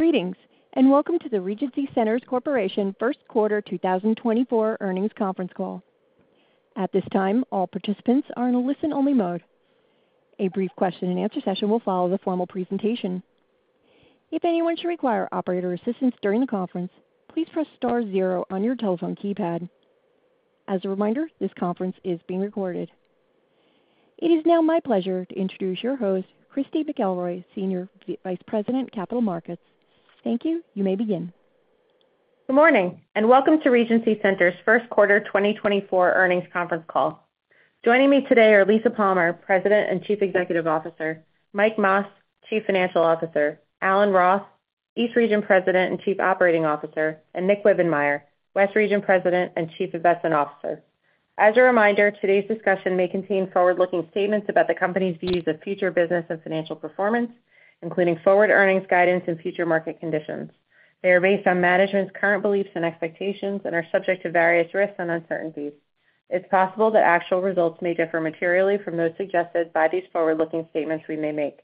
Greetings and welcome to the Regency Centers Corporation First Quarter 2024 Earnings Conference Call. At this time, all participants are in a listen-only mode. A brief question-and-answer session will follow the formal presentation. If anyone should require operator assistance during the conference, please press star zero on your telephone keypad. As a reminder, this conference is being recorded. It is now my pleasure to introduce your host, Christy McElroy, Senior Vice President, Capital Markets. Thank you. You may begin. Good morning and welcome to Regency Centers First Quarter 2024 Earnings Conference Call. Joining me today are Lisa Palmer, President and Chief Executive Officer, Mike Mas, Chief Financial Officer, Alan Roth, East Region President and Chief Operating Officer, and Nick Wibbenmeyer, West Region President and Chief Investment Officer. As a reminder, today's discussion may contain forward-looking statements about the company's views of future business and financial performance, including forward earnings guidance and future market conditions. They are based on management's current beliefs and expectations and are subject to various risks and uncertainties. It's possible that actual results may differ materially from those suggested by these forward-looking statements we may make.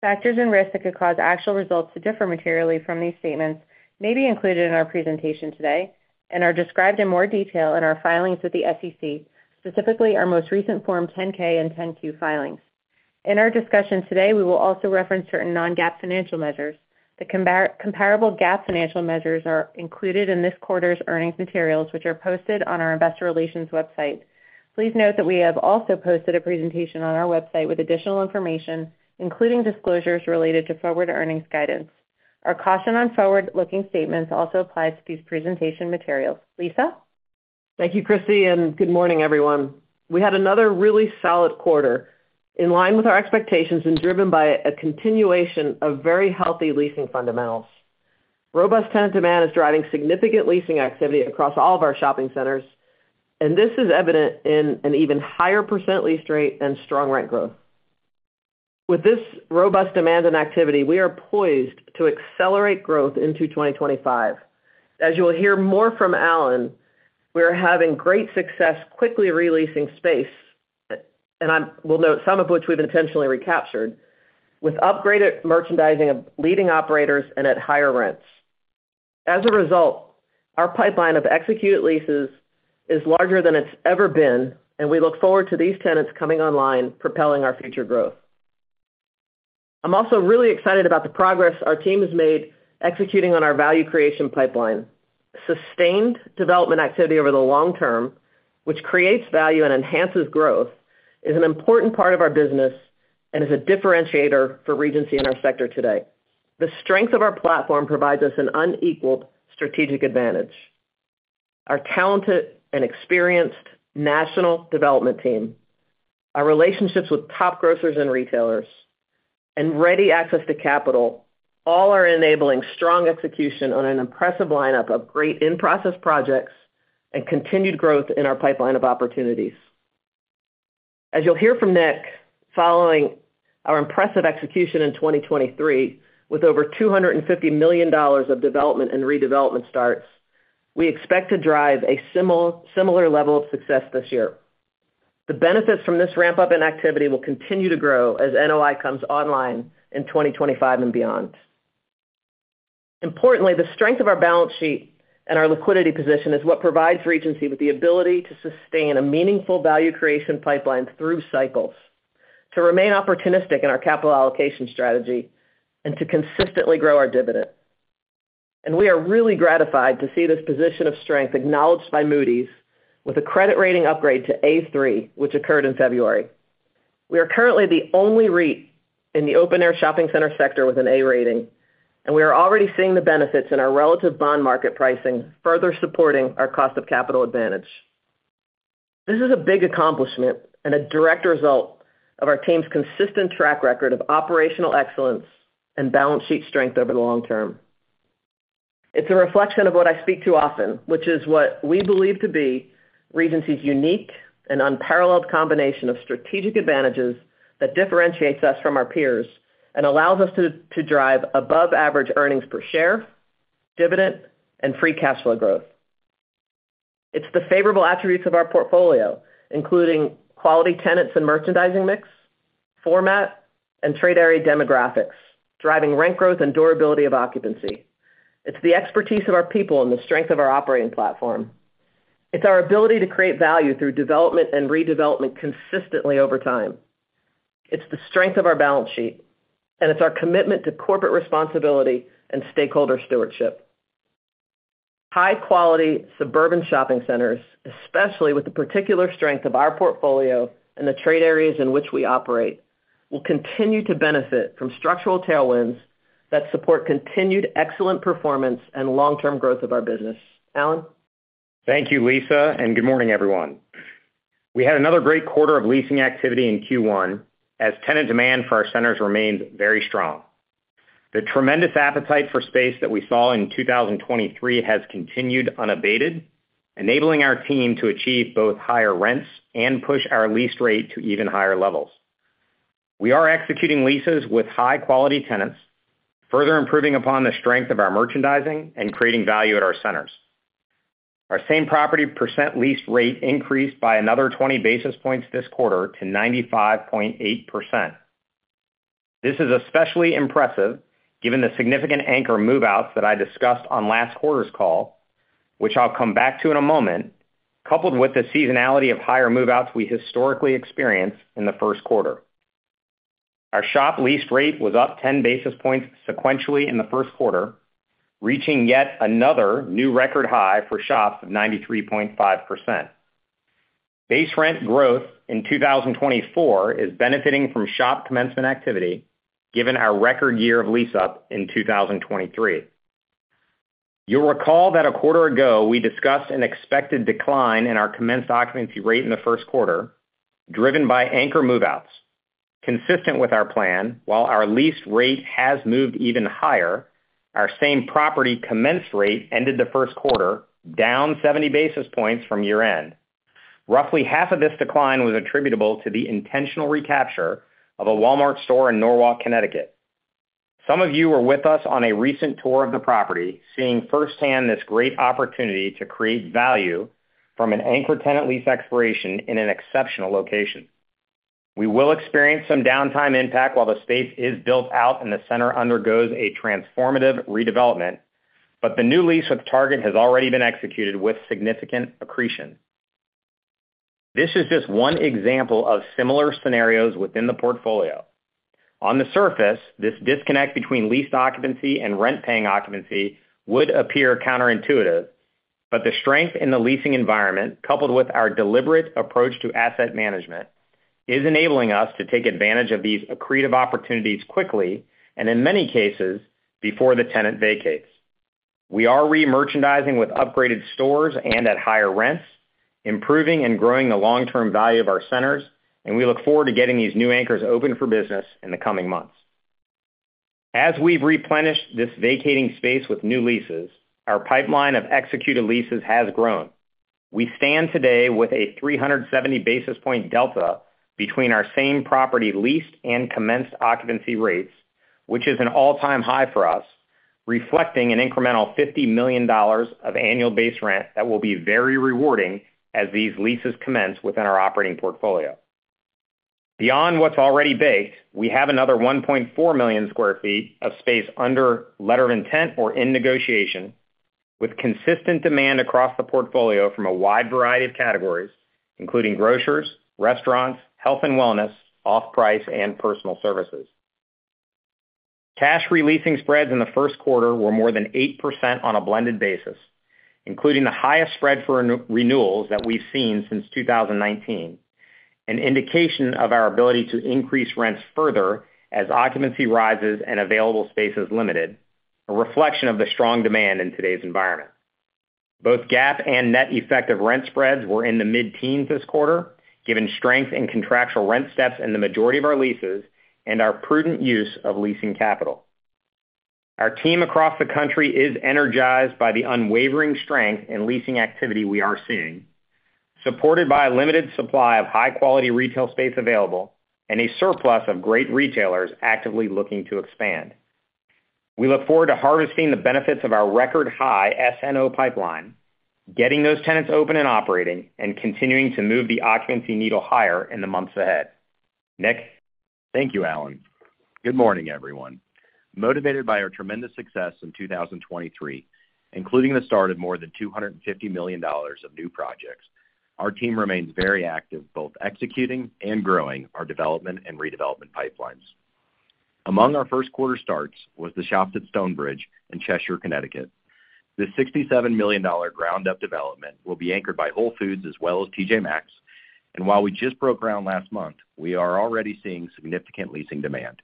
Factors and risks that could cause actual results to differ materially from these statements may be included in our presentation today and are described in more detail in our filings with the SEC, specifically our most recent Form 10-K and 10-Q filings. In our discussion today, we will also reference certain non-GAAP financial measures. The comparable GAAP financial measures are included in this quarter's earnings materials, which are posted on our Investor Relations website. Please note that we have also posted a presentation on our website with additional information, including disclosures related to forward earnings guidance. Our caution on forward-looking statements also applies to these presentation materials. Lisa? Thank you, Christy, and good morning, everyone. We had another really solid quarter in line with our expectations and driven by a continuation of very healthy leasing fundamentals. Robust tenant demand is driving significant leasing activity across all of our shopping centers, and this is evident in an even higher percent leased rate and strong rent growth. With this robust demand and activity, we are poised to accelerate growth into 2025. As you will hear more from Alan, we are having great success quickly releasing space, and we'll note some of which we've intentionally recaptured, with upgraded merchandising of leading operators and at higher rents. As a result, our pipeline of executed leases is larger than it's ever been, and we look forward to these tenants coming online, propelling our future growth. I'm also really excited about the progress our team has made executing on our value creation pipeline. Sustained development activity over the long term, which creates value and enhances growth, is an important part of our business and is a differentiator for Regency in our sector today. The strength of our platform provides us an unequaled strategic advantage. Our talented and experienced national development team, our relationships with top grocers and retailers, and ready access to capital all are enabling strong execution on an impressive lineup of great in-process projects and continued growth in our pipeline of opportunities. As you'll hear from Nick, following our impressive execution in 2023 with over $250 million of development and redevelopment starts, we expect to drive a similar level of success this year. The benefits from this ramp-up in activity will continue to grow as NOI comes online in 2025 and beyond. Importantly, the strength of our balance sheet and our liquidity position is what provides Regency with the ability to sustain a meaningful value creation pipeline through cycles, to remain opportunistic in our capital allocation strategy, and to consistently grow our dividend. We are really gratified to see this position of strength acknowledged by Moody's with a credit rating upgrade to A3, which occurred in February. We are currently the only REIT in the open-air shopping center sector with an A rating, and we are already seeing the benefits in our relative bond market pricing further supporting our cost-of-capital advantage. This is a big accomplishment and a direct result of our team's consistent track record of operational excellence and balance sheet strength over the long term. It's a reflection of what I speak too often, which is what we believe to be Regency's unique and unparalleled combination of strategic advantages that differentiates us from our peers and allows us to drive above-average earnings per share, dividend, and free cash flow growth. It's the favorable attributes of our portfolio, including quality tenants and merchandising mix, format, and trade area demographics, driving rent growth and durability of occupancy. It's the expertise of our people and the strength of our operating platform. It's our ability to create value through development and redevelopment consistently over time. It's the strength of our balance sheet, and it's our commitment to corporate responsibility and stakeholder stewardship. High-quality suburban shopping centers, especially with the particular strength of our portfolio and the trade areas in which we operate, will continue to benefit from structural tailwinds that support continued excellent performance and long-term growth of our business. Alan? Thank you, Lisa, and good morning, everyone. We had another great quarter of leasing activity in Q1 as tenant demand for our centers remains very strong. The tremendous appetite for space that we saw in 2023 has continued unabated, enabling our team to achieve both higher rents and push our lease rate to even higher levels. We are executing leases with high-quality tenants, further improving upon the strength of our merchandising and creating value at our centers. Our same property percent lease rate increased by another 20 basis points this quarter to 95.8%. This is especially impressive given the significant anchor moveouts that I discussed on last quarter's call, which I'll come back to in a moment, coupled with the seasonality of higher moveouts we historically experienced in the first quarter. Our shop lease rate was up 10 basis points sequentially in the first quarter, reaching yet another new record high for shops of 93.5%. Base rent growth in 2024 is benefiting from shop commencement activity given our record year of lease-up in 2023. You'll recall that a quarter ago, we discussed an expected decline in our commenced occupancy rate in the first quarter, driven by anchor moveouts. Consistent with our plan, while our lease rate has moved even higher, our same property commenced rate ended the first quarter down 70 basis points from year-end. Roughly half of this decline was attributable to the intentional recapture of a Walmart store in Norwalk, Connecticut. Some of you were with us on a recent tour of the property, seeing firsthand this great opportunity to create value from an anchor tenant lease expiration in an exceptional location. We will experience some downtime impact while the space is built out and the center undergoes a transformative redevelopment, but the new lease with Target has already been executed with significant accretion. This is just one example of similar scenarios within the portfolio. On the surface, this disconnect between leased occupancy and rent-paying occupancy would appear counterintuitive, but the strength in the leasing environment, coupled with our deliberate approach to asset management, is enabling us to take advantage of these accretive opportunities quickly and, in many cases, before the tenant vacates. We are remerchandising with upgraded stores and at higher rents, improving and growing the long-term value of our centers, and we look forward to getting these new anchors open for business in the coming months. As we've replenished this vacating space with new leases, our pipeline of executed leases has grown. We stand today with a 370 basis points delta between our same property leased and commenced occupancy rates, which is an all-time high for us, reflecting an incremental $50 million of annual base rent that will be very rewarding as these leases commence within our operating portfolio. Beyond what's already baked, we have another 1.4 million sq ft of space under letter of intent or in negotiation, with consistent demand across the portfolio from a wide variety of categories, including grocers, restaurants, health and wellness, off-price, and personal services. Leasing spreads in the first quarter were more than 8% on a blended basis, including the highest spread for renewals that we've seen since 2019, an indication of our ability to increase rents further as occupancy rises and available space is limited, a reflection of the strong demand in today's environment. Both GAAP and net effect of rent spreads were in the mid-teens this quarter, given strength in contractual rent steps in the majority of our leases and our prudent use of leasing capital. Our team across the country is energized by the unwavering strength in leasing activity we are seeing, supported by a limited supply of high-quality retail space available and a surplus of great retailers actively looking to expand. We look forward to harvesting the benefits of our record high S&O pipeline, getting those tenants open and operating, and continuing to move the occupancy needle higher in the months ahead. Nick? Thank you, Alan. Good morning, everyone. Motivated by our tremendous success in 2023, including the start of more than $250 million of new projects, our team remains very active both executing and growing our development and redevelopment pipelines. Among our first quarter starts was The Shops at Stonebridge in Cheshire, Connecticut. This $67 million ground-up development will be anchored by Whole Foods as well as TJ Maxx, and while we just broke ground last month, we are already seeing significant leasing demand.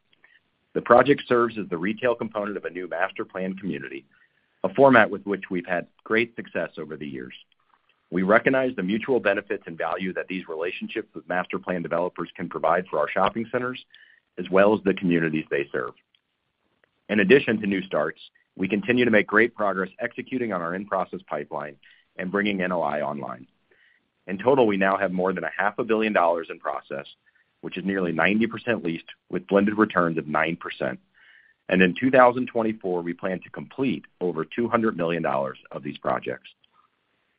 The project serves as the retail component of a new master plan community, a format with which we've had great success over the years. We recognize the mutual benefits and value that these relationships with master plan developers can provide for our shopping centers as well as the communities they serve. In addition to new starts, we continue to make great progress executing on our in-process pipeline and bringing NOI online. In total, we now have more than $500 million in process, which is nearly 90% leased, with blended returns of 9%. In 2024, we plan to complete over $200 million of these projects.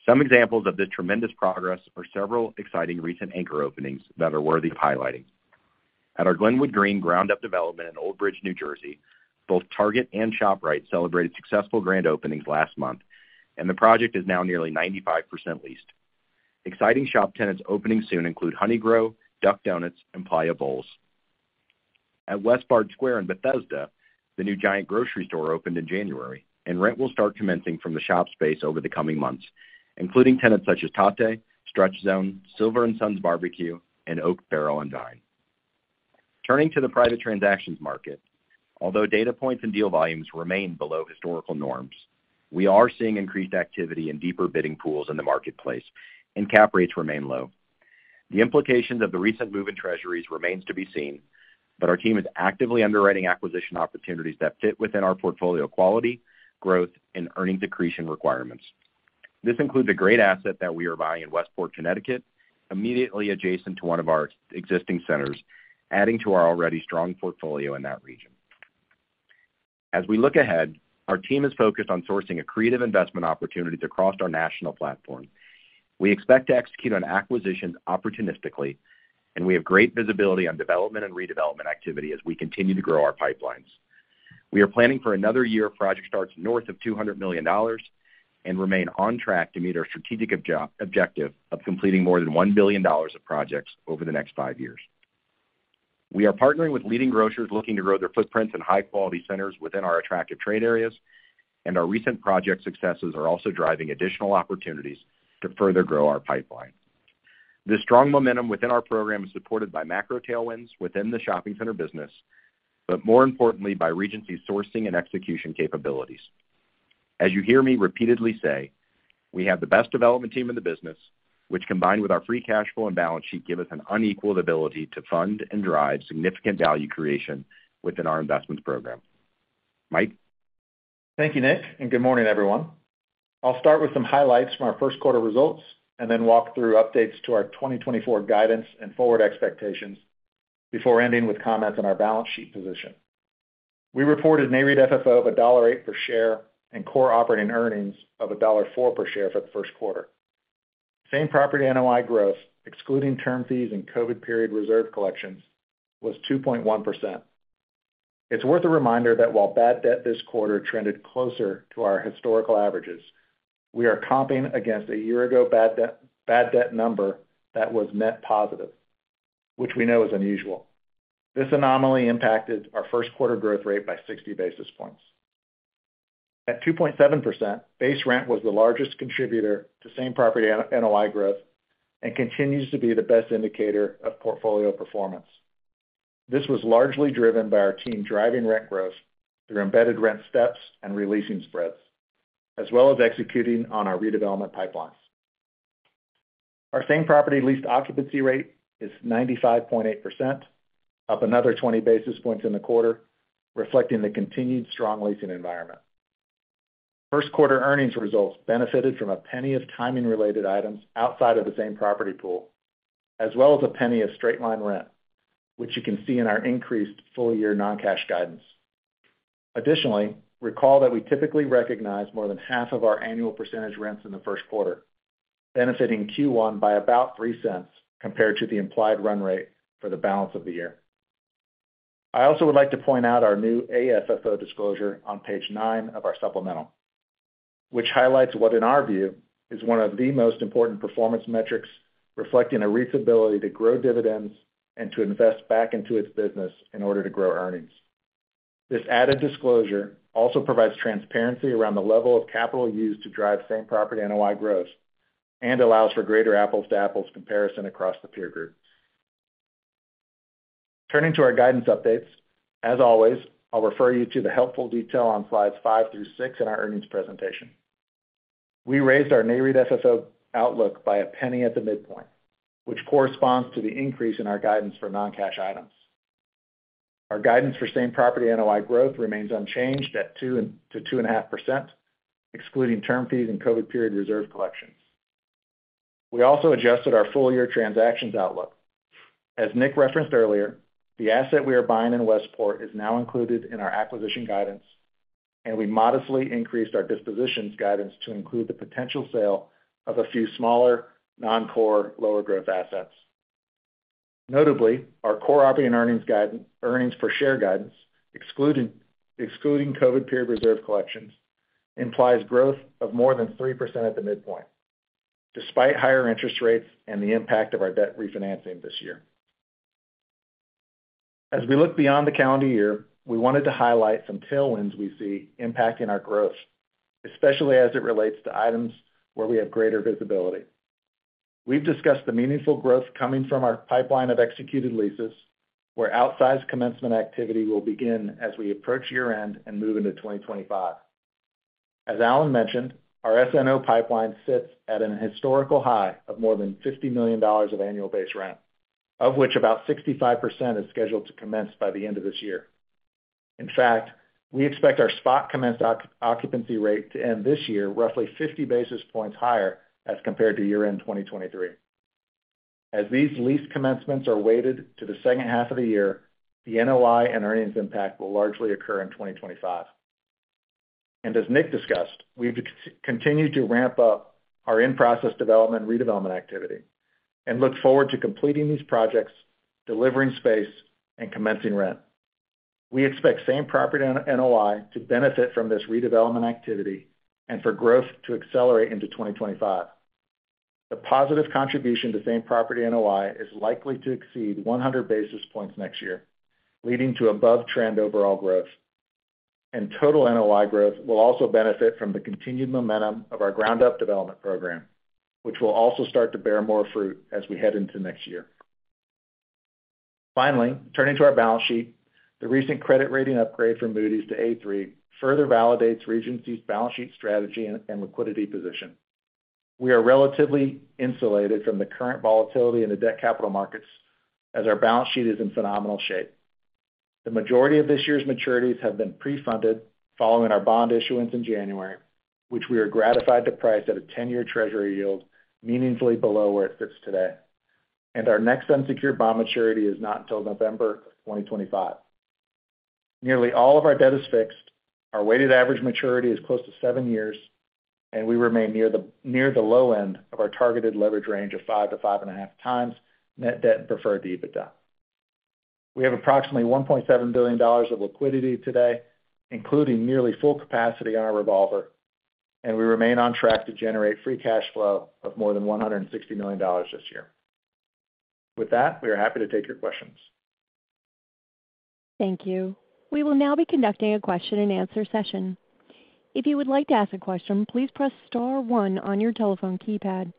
Some examples of this tremendous progress are several exciting recent anchor openings that are worthy of highlighting. At our Glenwood Green ground-up development in Old Bridge, New Jersey, both Target and ShopRite celebrated successful grand openings last month, and the project is now nearly 95% leased. Exciting shop tenants opening soon include honeygrow, Duck Donuts, and Playa Bowls. At Westbard Square in Bethesda, the new Giant Food grocery store opened in January, and rent will start commencing from the shop space over the coming months, including tenants such as Tatte, Stretch Zone, Silver & Sons BBQ, and Oak Barrel & Vine. Turning to the private transactions market, although data points and deal volumes remain below historical norms, we are seeing increased activity in deeper bidding pools in the marketplace, and cap rates remain low. The implications of the recent move in treasuries remain to be seen, but our team is actively underwriting acquisition opportunities that fit within our portfolio quality, growth, and earnings accretion requirements. This includes a great asset that we are buying in Westport, Connecticut, immediately adjacent to one of our existing centers, adding to our already strong portfolio in that region. As we look ahead, our team is focused on sourcing accretive investment opportunities across our national platform. We expect to execute on acquisitions opportunistically, and we have great visibility on development and redevelopment activity as we continue to grow our pipelines. We are planning for another year of project starts north of $200 million and remain on track to meet our strategic objective of completing more than $1 billion of projects over the next five years. We are partnering with leading grocers looking to grow their footprints in high-quality centers within our attractive trade areas, and our recent project successes are also driving additional opportunities to further grow our pipeline. This strong momentum within our program is supported by macro tailwinds within the shopping center business, but more importantly, by Regency's sourcing and execution capabilities. As you hear me repeatedly say, we have the best development team in the business, which combined with our free cash flow and balance sheet give us an unequaled ability to fund and drive significant value creation within our investments program. Mike? Thank you, Nick, and good morning, everyone. I'll start with some highlights from our first quarter results and then walk through updates to our 2024 guidance and forward expectations before ending with comments on our balance sheet position. We reported NAREIT FFO of $1.08 per share and Core Operating Earnings of $1.04 per share for the first quarter. Same Property NOI growth, excluding term fees and COVID period reserve collections, was 2.1%. It's worth a reminder that while bad debt this quarter trended closer to our historical averages, we are comping against a year-ago bad debt number that was net positive, which we know is unusual. This anomaly impacted our first quarter growth rate by 60 basis points. At 2.7%, base rent was the largest contributor to Same Property NOI growth and continues to be the best indicator of portfolio performance. This was largely driven by our team driving rent growth through embedded rent steps and releasing spreads, as well as executing on our redevelopment pipelines. Our same property leased occupancy rate is 95.8%, up another 20 basis points in the quarter, reflecting the continued strong leasing environment. First quarter earnings results benefited from $0.01 of timing-related items outside of the same property pool, as well as $0.01 of straight-line rent, which you can see in our increased full-year non-cash guidance. Additionally, recall that we typically recognize more than half of our annual percentage rents in the first quarter, benefiting Q1 by about $0.03 compared to the implied run rate for the balance of the year. I also would like to point out our new AFFO disclosure on page nine of our supplemental, which highlights what, in our view, is one of the most important performance metrics reflecting a REIT's ability to grow dividends and to invest back into its business in order to grow earnings. This added disclosure also provides transparency around the level of capital used to drive same property NOI growth and allows for greater apples-to-apples comparison across the peer group. Turning to our guidance updates, as always, I'll refer you to the helpful detail on slides five through six in our earnings presentation. We raised our NAREIT FFO outlook by $0.01 at the midpoint, which corresponds to the increase in our guidance for non-cash items. Our guidance for same property NOI growth remains unchanged at 2%-2.5%, excluding term fees and COVID period reserve collections. We also adjusted our full-year transactions outlook. As Nick referenced earlier, the asset we are buying in Westport is now included in our acquisition guidance, and we modestly increased our dispositions guidance to include the potential sale of a few smaller non-core lower growth assets. Notably, our Core Operating Earnings per share guidance, excluding COVID period reserve collections, implies growth of more than 3% at the midpoint, despite higher interest rates and the impact of our debt refinancing this year. As we look beyond the calendar year, we wanted to highlight some tailwinds we see impacting our growth, especially as it relates to items where we have greater visibility. We've discussed the meaningful growth coming from our pipeline of executed leases, where outsized commencement activity will begin as we approach year-end and move into 2025. As Alan mentioned, our S&O pipeline sits at a historical high of more than $50 million of annual base rent, of which about 65% is scheduled to commence by the end of this year. In fact, we expect our spot commenced occupancy rate to end this year roughly 50 basis points higher as compared to year-end 2023. As these leased commencements are weighted to the second half of the year, the NOI and earnings impact will largely occur in 2025. And as Nick discussed, we've continued to ramp up our in-process development and redevelopment activity and look forward to completing these projects, delivering space, and commencing rent. We expect same property NOI to benefit from this redevelopment activity and for growth to accelerate into 2025. The positive contribution to same property NOI is likely to exceed 100 basis points next year, leading to above-trend overall growth. Total NOI growth will also benefit from the continued momentum of our ground-up development program, which will also start to bear more fruit as we head into next year. Finally, turning to our balance sheet, the recent credit rating upgrade from Moody's to A3 further validates Regency's balance sheet strategy and liquidity position. We are relatively insulated from the current volatility in the debt capital markets as our balance sheet is in phenomenal shape. The majority of this year's maturities have been pre-funded following our bond issuance in January, which we are gratified to price at a 10-year treasury yield meaningfully below where it sits today. And our next unsecured bond maturity is not until November of 2025. Nearly all of our debt is fixed. Our weighted average maturity is close to 7 years, and we remain near the low end of our targeted leverage range of 5-5.5 times net debt and preferred EBITDA. We have approximately $1.7 billion of liquidity today, including nearly full capacity on our revolver, and we remain on track to generate free cash flow of more than $160 million this year. With that, we are happy to take your questions. Thank you. We will now be conducting a question-and-answer session. If you would like to ask a question, please press star 1 on your telephone keypad.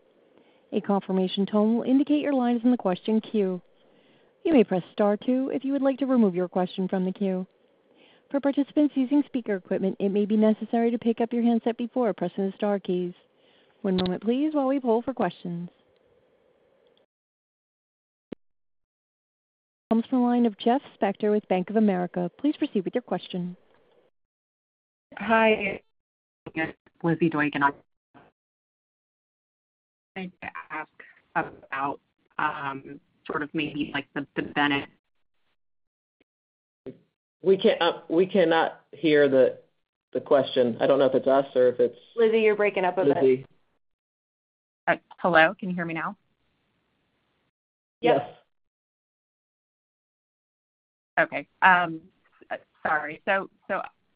A confirmation tone will indicate your line is in the question queue. You may press star two if you would like to remove your question from the queue. For participants using speaker equipment, it may be necessary to pick up your handset before pressing the star keys. One moment, please, while we pull for questions. Comes from the line of Jeff Spector with Bank of America. Please proceed with your question. Hi. This is Lizzy Doykan and I'd like to ask about sort of maybe the benefits. We cannot hear the question. I don't know if it's us or if it's. Lizzy, you're breaking up a bit. Lizzie. Hello? Can you hear me now? Yes. Okay. Sorry. So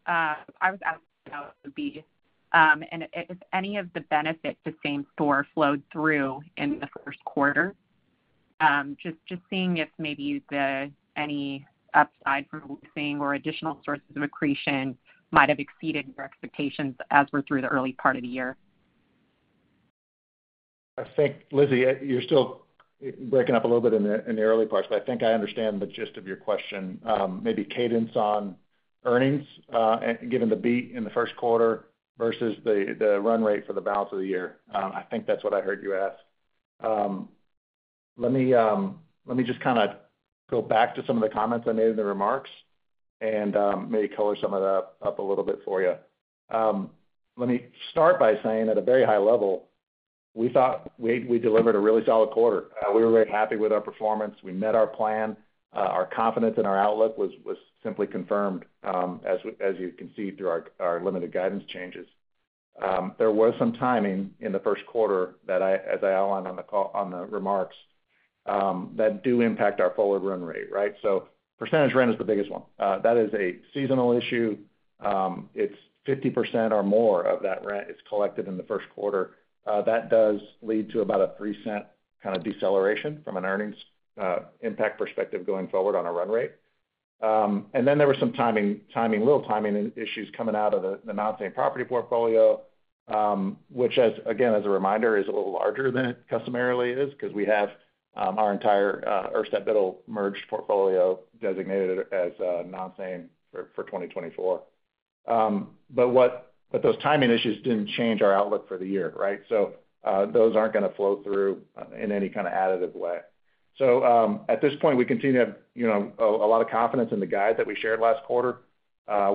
I was asking about the B, and if any of the benefits to same store flowed through in the first quarter, just seeing if maybe any upside from leasing or additional sources of accretion might have exceeded your expectations as we're through the early part of the year. Lizzy, you're still breaking up a little bit in the early parts, but I think I understand the gist of your question. Maybe cadence on earnings, given the beat in the first quarter versus the run rate for the balance of the year. I think that's what I heard you ask. Let me just kind of go back to some of the comments I made in the remarks and maybe color some of that up a little bit for you. Let me start by saying, at a very high level, we thought we delivered a really solid quarter. We were very happy with our performance. We met our plan. Our confidence in our outlook was simply confirmed, as you can see through our limited guidance changes. There was some timing in the first quarter that, as I outlined on the remarks, does impact our forward run rate, right? So percentage rent is the biggest one. That is a seasonal issue. It's 50% or more of that rent is collected in the first quarter. That does lead to about a $0.03 kind of deceleration from an earnings impact perspective going forward on our run rate. And then there were some timing, little timing issues coming out of the non-same property portfolio, which, again, as a reminder, is a little larger than it customarily is because we have our entire Urstadt Biddle merged portfolio designated as non-same for 2024. But those timing issues didn't change our outlook for the year, right? So those aren't going to flow through in any kind of additive way. So at this point, we continue to have a lot of confidence in the guide that we shared last quarter.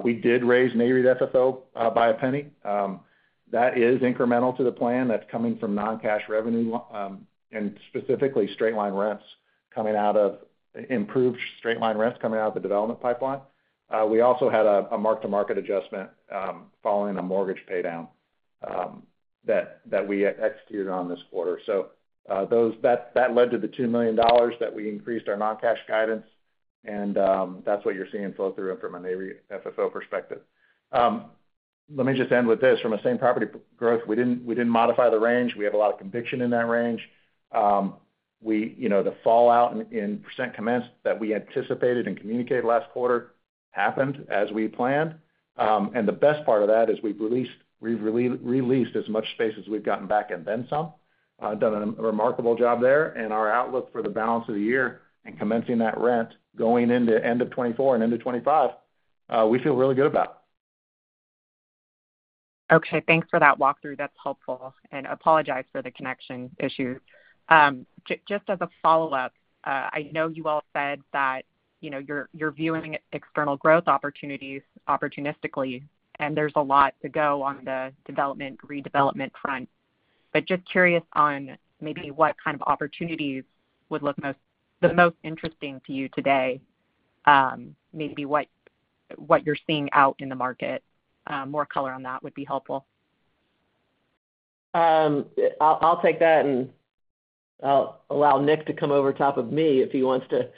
We did raise NAREIT FFO by $0.01. That is incremental to the plan. That's coming from non-cash revenue and specifically straight-line rents coming out of improved straight-line rents coming out of the development pipeline. We also had a mark-to-market adjustment following a mortgage paydown that we executed on this quarter. So that led to the $2 million that we increased our non-cash guidance, and that's what you're seeing flow through from a NAREIT FFO perspective. Let me just end with this. From a same property growth, we didn't modify the range. We have a lot of conviction in that range. The fallout in percent commenced that we anticipated and communicated last quarter happened as we planned. The best part of that is we've released as much space as we've gotten back and then some, done a remarkable job there, and our outlook for the balance of the year and commencing that rent going into end of 2024 and into 2025, we feel really good about. Okay. Thanks for that walkthrough. That's helpful. And apologize for the connection issues. Just as a follow-up, I know you all said that you're viewing external growth opportunities opportunistically, and there's a lot to go on the development, redevelopment front. But just curious on maybe what kind of opportunities would look the most interesting to you today, maybe what you're seeing out in the market. More color on that would be helpful. I'll take that, and I'll allow Nick to come over top of me if he wants to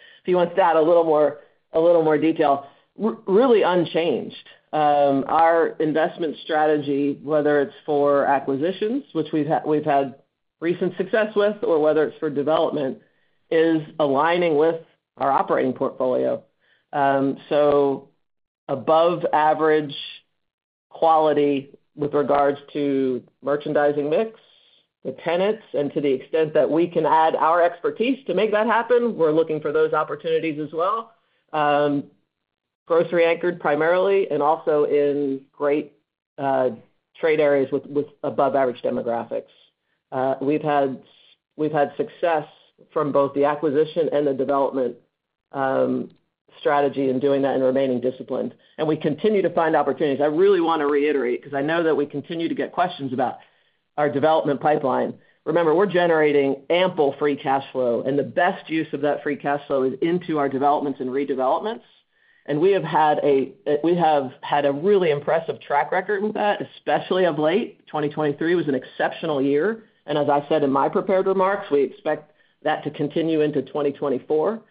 add a little more detail. Really unchanged. Our investment strategy, whether it's for acquisitions, which we've had recent success with, or whether it's for development, is aligning with our operating portfolio. So above-average quality with regards to merchandising mix, the tenants, and to the extent that we can add our expertise to make that happen, we're looking for those opportunities as well, grocery-anchored primarily, and also in great trade areas with above-average demographics. We've had success from both the acquisition and the development strategy in doing that in remaining disciplined. And we continue to find opportunities. I really want to reiterate because I know that we continue to get questions about our development pipeline. Remember, we're generating ample free cash flow, and the best use of that free cash flow is into our developments and redevelopments. We have had a really impressive track record with that, especially of late. 2023 was an exceptional year. As I said in my prepared remarks, we expect that to continue into 2024.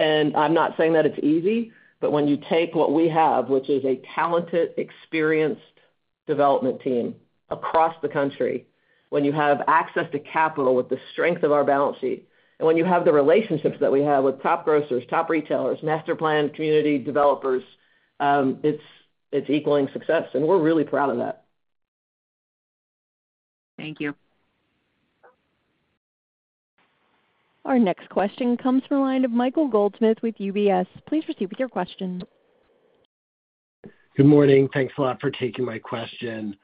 I'm not saying that it's easy, but when you take what we have, which is a talented, experienced development team across the country, when you have access to capital with the strength of our balance sheet, and when you have the relationships that we have with top grocers, top retailers, master planned community developers, it's equaling success. We're really proud of that. Thank you. Our next question comes from the line of Michael Goldsmith with UBS. Please proceed with your question. Good morning. Thanks a lot for taking my question.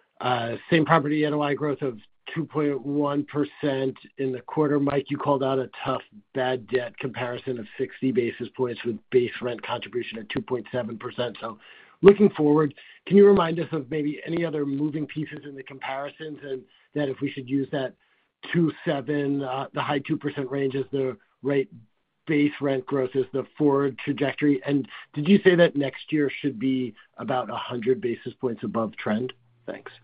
Same Property NOI growth of 2.1% in the quarter. Mike, you called out a tough bad debt comparison of 60 basis points with base rent contribution at 2.7%. So looking forward, can you remind us of maybe any other moving pieces in the comparisons and that if we should use that 2.7%, the high 2% range as the rate base rent growth as the forward trajectory? And did you say that next year should be about 100 basis points above trend? Thanks. Thanks,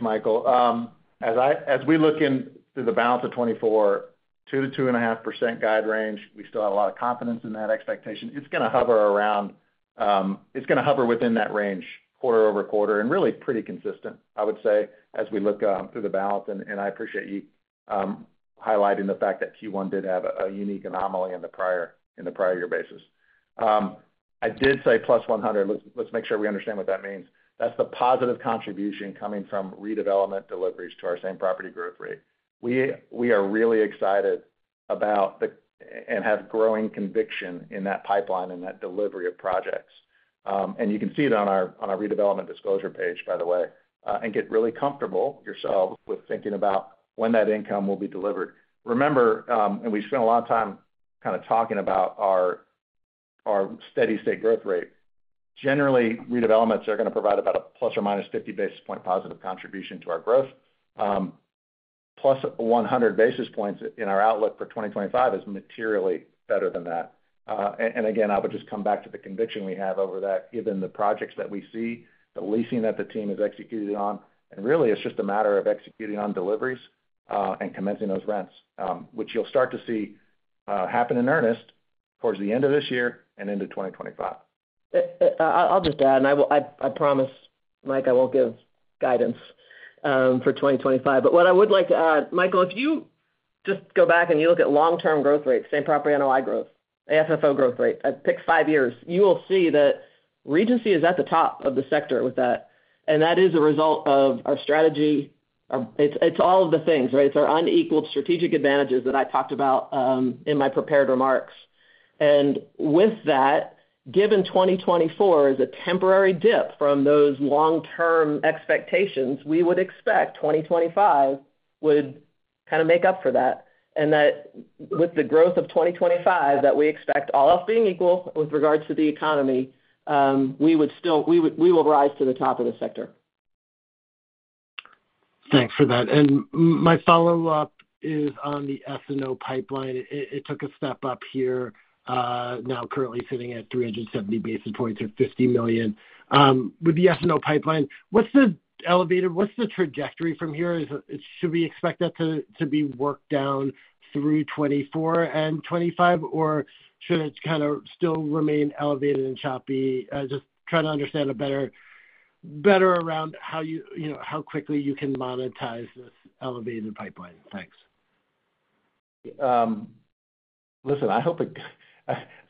Michael. As we look into the balance of 2024, 2%-2.5% guide range, we still have a lot of confidence in that expectation. It's going to hover within that range quarter-over-quarter and really pretty consistent, I would say, as we look through the balance. And I appreciate you highlighting the fact that Q1 did have a unique anomaly in the prior year basis. I did say +100 basis points. Let's make sure we understand what that means. That's the positive contribution coming from redevelopment deliveries to our same property growth rate. We are really excited about and have growing conviction in that pipeline and that delivery of projects. And you can see it on our redevelopment disclosure page, by the way, and get really comfortable yourselves with thinking about when that income will be delivered. Remember, and we spent a lot of time kind of talking about our steady state growth rate. Generally, redevelopments are going to provide about a ±50 basis points positive contribution to our growth. +100 basis points in our outlook for 2025 is materially better than that. Again, I would just come back to the conviction we have over that, given the projects that we see, the leasing that the team is executing on. Really, it's just a matter of executing on deliveries and commencing those rents, which you'll start to see happen in earnest towards the end of this year and into 2025. I'll just add. I promise, Mike, I won't give guidance for 2025. But what I would like to add, Michael, if you just go back and you look at long-term growth rates, Same Property NOI growth, the FFO growth rate, I pick five years, you will see that Regency is at the top of the sector with that. And that is a result of our strategy. It's all of the things, right? It's our unequaled strategic advantages that I talked about in my prepared remarks. And with that, given 2024 is a temporary dip from those long-term expectations, we would expect 2025 would kind of make up for that. And that with the growth of 2025 that we expect, all else being equal with regards to the economy, we would still we will rise to the top of the sector. Thanks for that. My follow-up is on the S&O pipeline. It took a step up here, now currently sitting at 370 basis points or $50 million. With the S&O pipeline, what's the elevator? What's the trajectory from here? Should we expect that to be worked down through 2024 and 2025, or should it kind of still remain elevated and choppy? Just trying to understand better around how quickly you can monetize this elevated pipeline. Thanks. Listen, I hope it's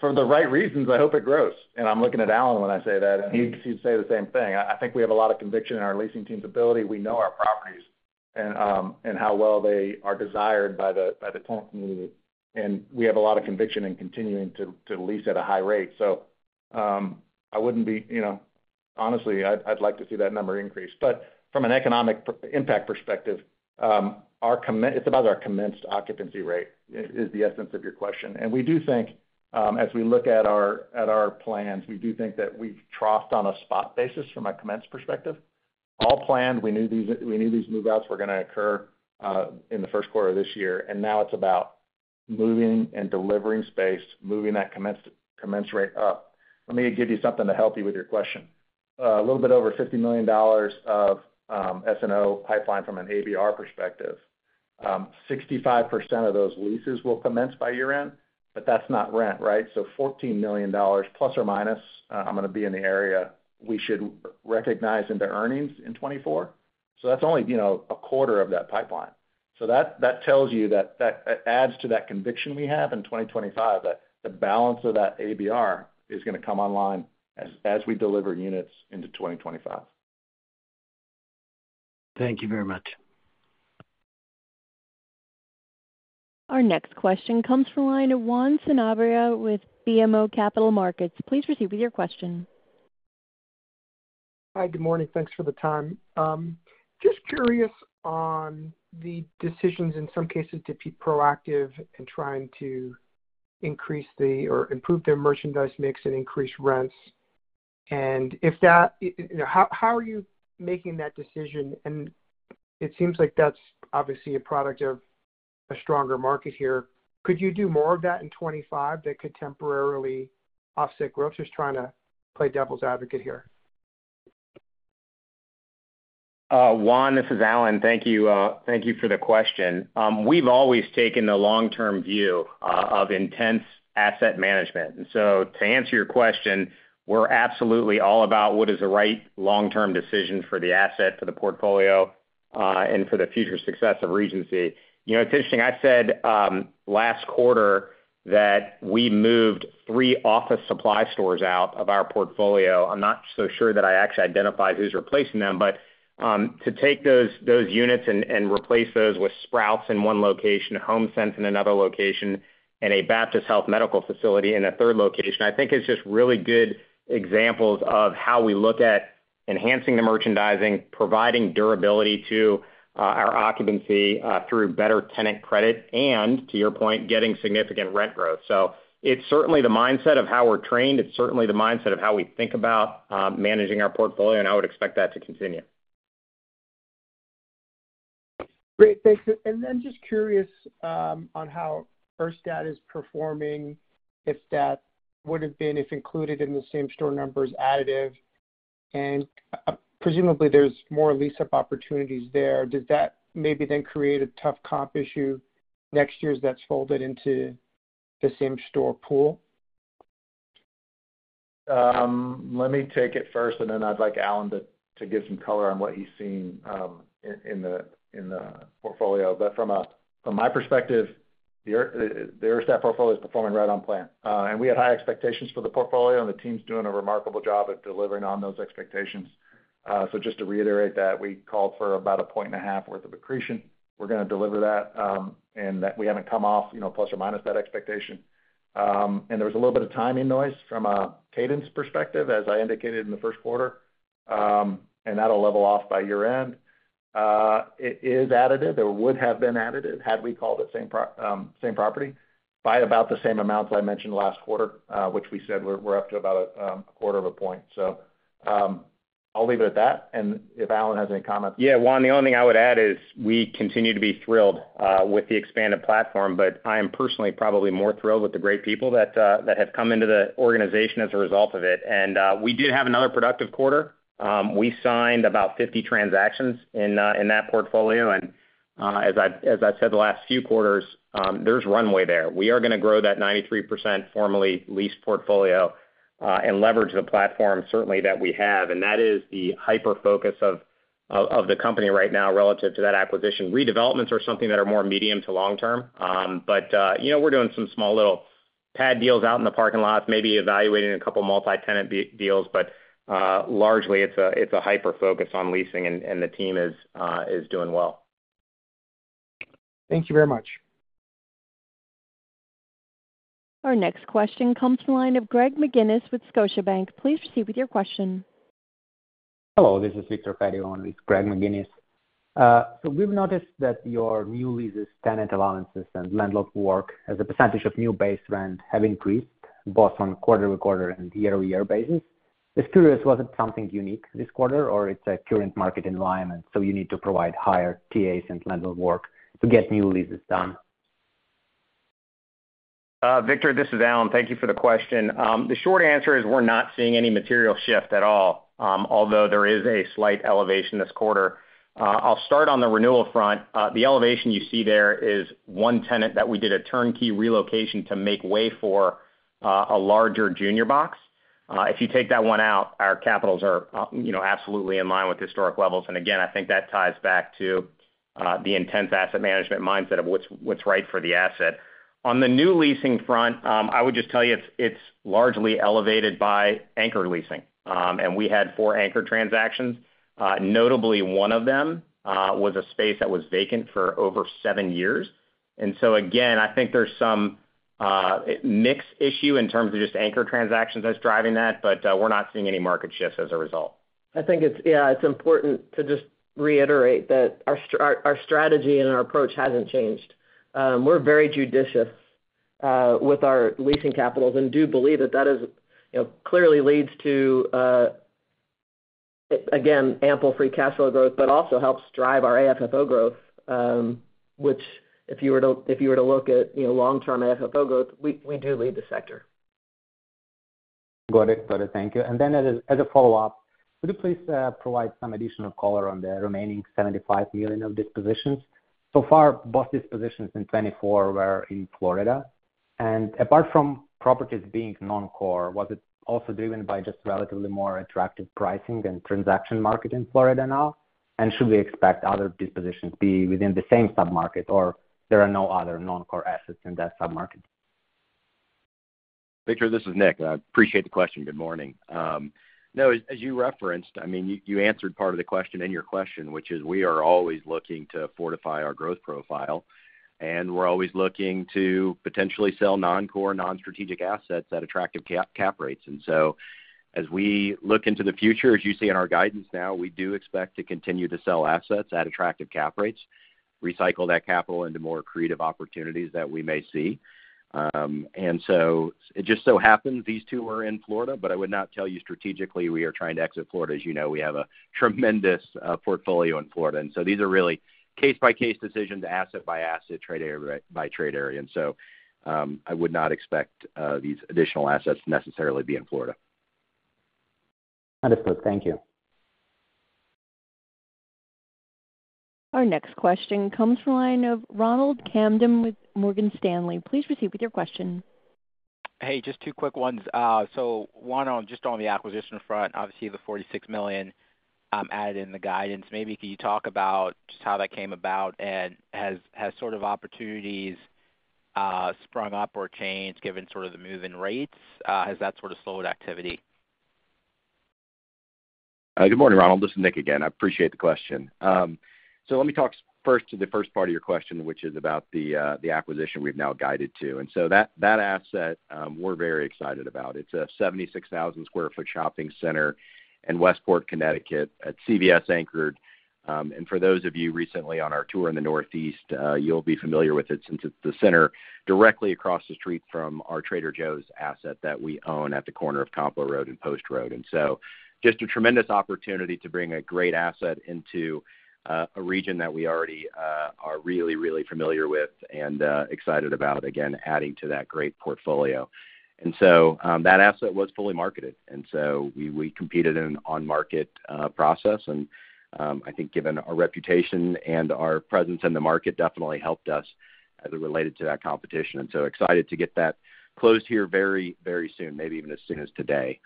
for the right reasons. I hope it grows. And I'm looking at Alan when I say that, and he'd say the same thing. I think we have a lot of conviction in our leasing team's ability. We know our properties and how well they are desired by the tenant community. And we have a lot of conviction in continuing to lease at a high rate. So I wouldn't be, honestly. I'd like to see that number increase. But from an economic impact perspective, it's about our commenced occupancy rate is the essence of your question. And we do think, as we look at our plans, we do think that we've troughed on a spot basis from a commenced perspective. All planned, we knew these move-outs were going to occur in the first quarter of this year. Now it's about moving and delivering space, moving that commenced rate up. Let me give you something to help you with your question. A little bit over $50 million of S&O pipeline from an ABR perspective, 65% of those leases will commence by year-end, but that's not rent, right? So $14 million±, I'm going to be in the area we should recognize into earnings in 2024. So that's only a quarter of that pipeline. So that tells you that adds to that conviction we have in 2025, that the balance of that ABR is going to come online as we deliver units into 2025. Thank you very much. Our next question comes from line of Juan Sanabria with BMO Capital Markets. Please proceed with your question. Hi. Good morning. Thanks for the time. Just curious on the decisions, in some cases, to be proactive in trying to increase the or improve their merchandise mix and increase rents. And if that how are you making that decision? And it seems like that's obviously a product of a stronger market here. Could you do more of that in 2025 that could temporarily offset growth? Just trying to play devil's advocate here. Juan, this is Alan. Thank you for the question. We've always taken the long-term view of intense asset management. And so to answer your question, we're absolutely all about what is the right long-term decision for the asset, for the portfolio, and for the future success of Regency. It's interesting. I said last quarter that we moved three office supply stores out of our portfolio. I'm not so sure that I actually identify who's replacing them. But to take those units and replace those with Sprouts in one location, HomeSense in another location, and a Baptist Health Medical Facility in a third location, I think it's just really good examples of how we look at enhancing the merchandising, providing durability to our occupancy through better tenant credit, and to your point, getting significant rent growth. So it's certainly the mindset of how we're trained. It's certainly the mindset of how we think about managing our portfolio. I would expect that to continue. Great. Thank you. And then just curious on how Urstadt is performing, if that would have been, if included in the same store numbers additive. And presumably, there's more lease-up opportunities there. Does that maybe then create a tough comp issue next year as that's folded into the same store pool? Let me take it first, and then I'd like Alan to give some color on what he's seen in the portfolio. But from my perspective, the Urstadt Biddle portfolio is performing right on plan. We had high expectations for the portfolio, and the team's doing a remarkable job of delivering on those expectations. So just to reiterate that, we called for about 1.5 points worth of accretion. We're going to deliver that, and we haven't come off plus or minus that expectation. There was a little bit of timing noise from a cadence perspective, as I indicated in the first quarter. That'll level off by year-end. It is additive. It would have been additive had we called it same property by about the same amounts I mentioned last quarter, which we said we're up to about 0.25 of a point. I'll leave it at that. If Alan has any comments. Yeah. Juan, the only thing I would add is we continue to be thrilled with the expanded platform, but I am personally probably more thrilled with the great people that have come into the organization as a result of it. And we did have another productive quarter. We signed about 50 transactions in that portfolio. And as I've said the last few quarters, there's runway there. We are going to grow that 93% formally leased portfolio and leverage the platform, certainly, that we have. And that is the hyper-focus of the company right now relative to that acquisition. Redevelopments are something that are more medium to long-term. But we're doing some small little pad deals out in the parking lots, maybe evaluating a couple multi-tenant deals. But largely, it's a hyper-focus on leasing, and the team is doing well. Thank you very much. Our next question comes from the line of Greg McGinnis with Scotiabank. Please proceed with your question. Hello. This is Viktor Fediv with Greg McGinnis. We've noticed that your new leases, tenant allowances, and landlord work as a percentage of new base rent have increased, both on a quarter-over-quarter and year-over-year basis. Just curious, was it something unique this quarter, or it's a current market environment, so you need to provide higher TAs and landlord work to get new leases done? Viktor, this is Alan. Thank you for the question. The short answer is we're not seeing any material shift at all, although there is a slight elevation this quarter. I'll start on the renewal front. The elevation you see there is one tenant that we did a turnkey relocation to make way for a larger junior box. If you take that one out, our cap rates are absolutely in line with historic levels. And again, I think that ties back to the intense asset management mindset of what's right for the asset. On the new leasing front, I would just tell you it's largely elevated by anchor leasing. And we had four anchor transactions. Notably, one of them was a space that was vacant for over seven years. And so again, I think there's some mix issue in terms of just anchor transactions that's driving that, but we're not seeing any market shift as a result. I think, yeah, it's important to just reiterate that our strategy and our approach hasn't changed. We're very judicious with our leasing capitals and do believe that that clearly leads to, again, ample free cash flow growth, but also helps drive our AFFO growth, which if you were to look at long-term AFFO growth, we do lead the sector. Got it. Got it. Thank you. And then as a follow-up, could you please provide some additional color on the remaining $75 million of dispositions? So far, both dispositions in 2024 were in Florida. And apart from properties being non-core, was it also driven by just relatively more attractive pricing and transaction market in Florida now? And should we expect other dispositions to be within the same submarket, or there are no other non-core assets in that submarket? Viktor, this is Nick. I appreciate the question. Good morning. No, as you referenced, I mean, you answered part of the question in your question, which is we are always looking to fortify our growth profile, and we're always looking to potentially sell non-core, non-strategic assets at attractive cap rates. And so as we look into the future, as you see in our guidance now, we do expect to continue to sell assets at attractive cap rates, recycle that capital into more creative opportunities that we may see. And so it just so happens these two were in Florida, but I would not tell you strategically we are trying to exit Florida. As you know, we have a tremendous portfolio in Florida. And so these are really case-by-case decisions, asset by asset, trade area by trade area. And so I would not expect these additional assets necessarily be in Florida. Understood. Thank you. Our next question comes from the line of Ronald Kamdem with Morgan Stanley. Please proceed with your question. Hey, just two quick ones. So one, just on the acquisition front, obviously, the $46 million added in the guidance, maybe could you talk about just how that came about and has sort of opportunities sprung up or changed given sort of the move-in rates? Has that sort of slowed activity? Good morning, Ronald. This is Nick again. I appreciate the question. So let me talk first to the first part of your question, which is about the acquisition we've now guided to. And so that asset, we're very excited about. It's a 76,000 sq ft shopping center in Westport, Connecticut, CVS-anchored. And for those of you recently on our tour in the Northeast, you'll be familiar with it since it's the center directly across the street from our Trader Joe's asset that we own at the corner of Compo Road and Post Road. Just a tremendous opportunity to bring a great asset into a region that we already are really, really familiar with and excited about, again, adding to that great portfolio. That asset was fully marketed. We competed in an on-market process. I think given our reputation and our presence in the market, definitely helped us as it related to that competition. Excited to get that closed here very, very soon, maybe even as soon as today.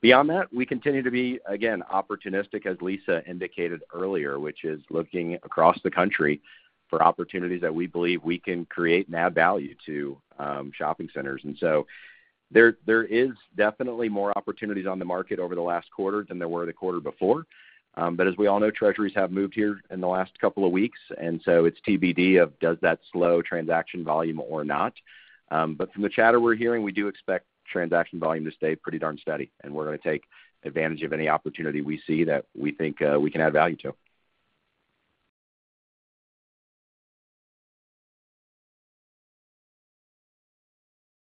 Beyond that, we continue to be, again, opportunistic, as Lisa indicated earlier, which is looking across the country for opportunities that we believe we can create and add value to shopping centers. There is definitely more opportunities on the market over the last quarter than there were the quarter before. But as we all know, treasuries have moved here in the last couple of weeks. And so it's TBD of does that slow transaction volume or not. But from the chatter we're hearing, we do expect transaction volume to stay pretty darn steady. And we're going to take advantage of any opportunity we see that we think we can add value to.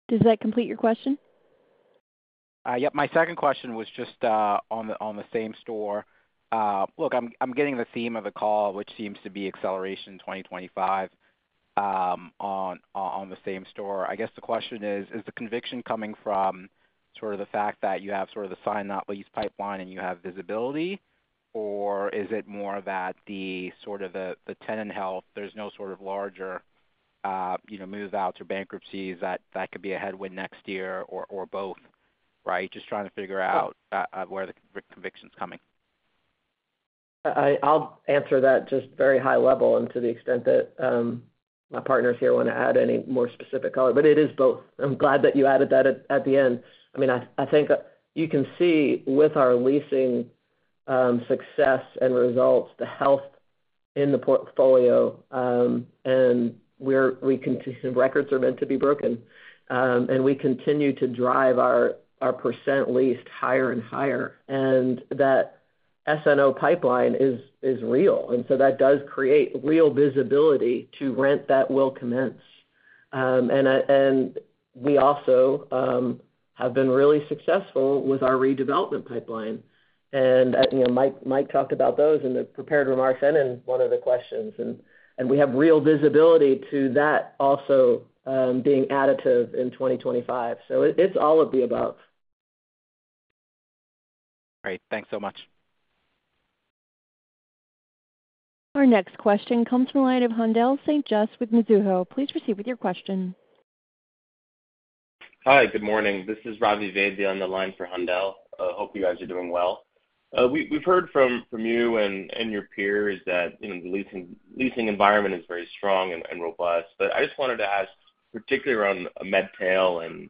Does that complete your question? Yep. My second question was just on the same store. Look, I'm getting the theme of the call, which seems to be acceleration 2025 on the same store. I guess the question is, is the conviction coming from sort of the fact that you have sort of the signed-not-opened pipeline and you have visibility, or is it more that sort of the tenant health, there's no sort of larger move-outs or bankruptcies that could be a headwind next year or both, right? Just trying to figure out where the conviction's coming. I'll answer that just very high level and to the extent that my partners here want to add any more specific color. But it is both. I'm glad that you added that at the end. I mean, I think you can see with our leasing success and results, the health in the portfolio, and records are meant to be broken. We continue to drive our percent leased higher and higher. That SNO pipeline is real. So that does create real visibility to rent that will commence. We also have been really successful with our redevelopment pipeline. Mike talked about those in the prepared remarks and in one of the questions. We have real visibility to that also being additive in 2025. So it's all of the above. Great. Thanks so much. Our next question comes from the line of Haendel St. Juste with Mizuho. Please proceed with your question. Hi. Good morning. This is Ravi Vaidya on the line for Haendel. Hope you guys are doing well. We've heard from you and your peers that the leasing environment is very strong and robust. I just wanted to ask, particularly around MedTail and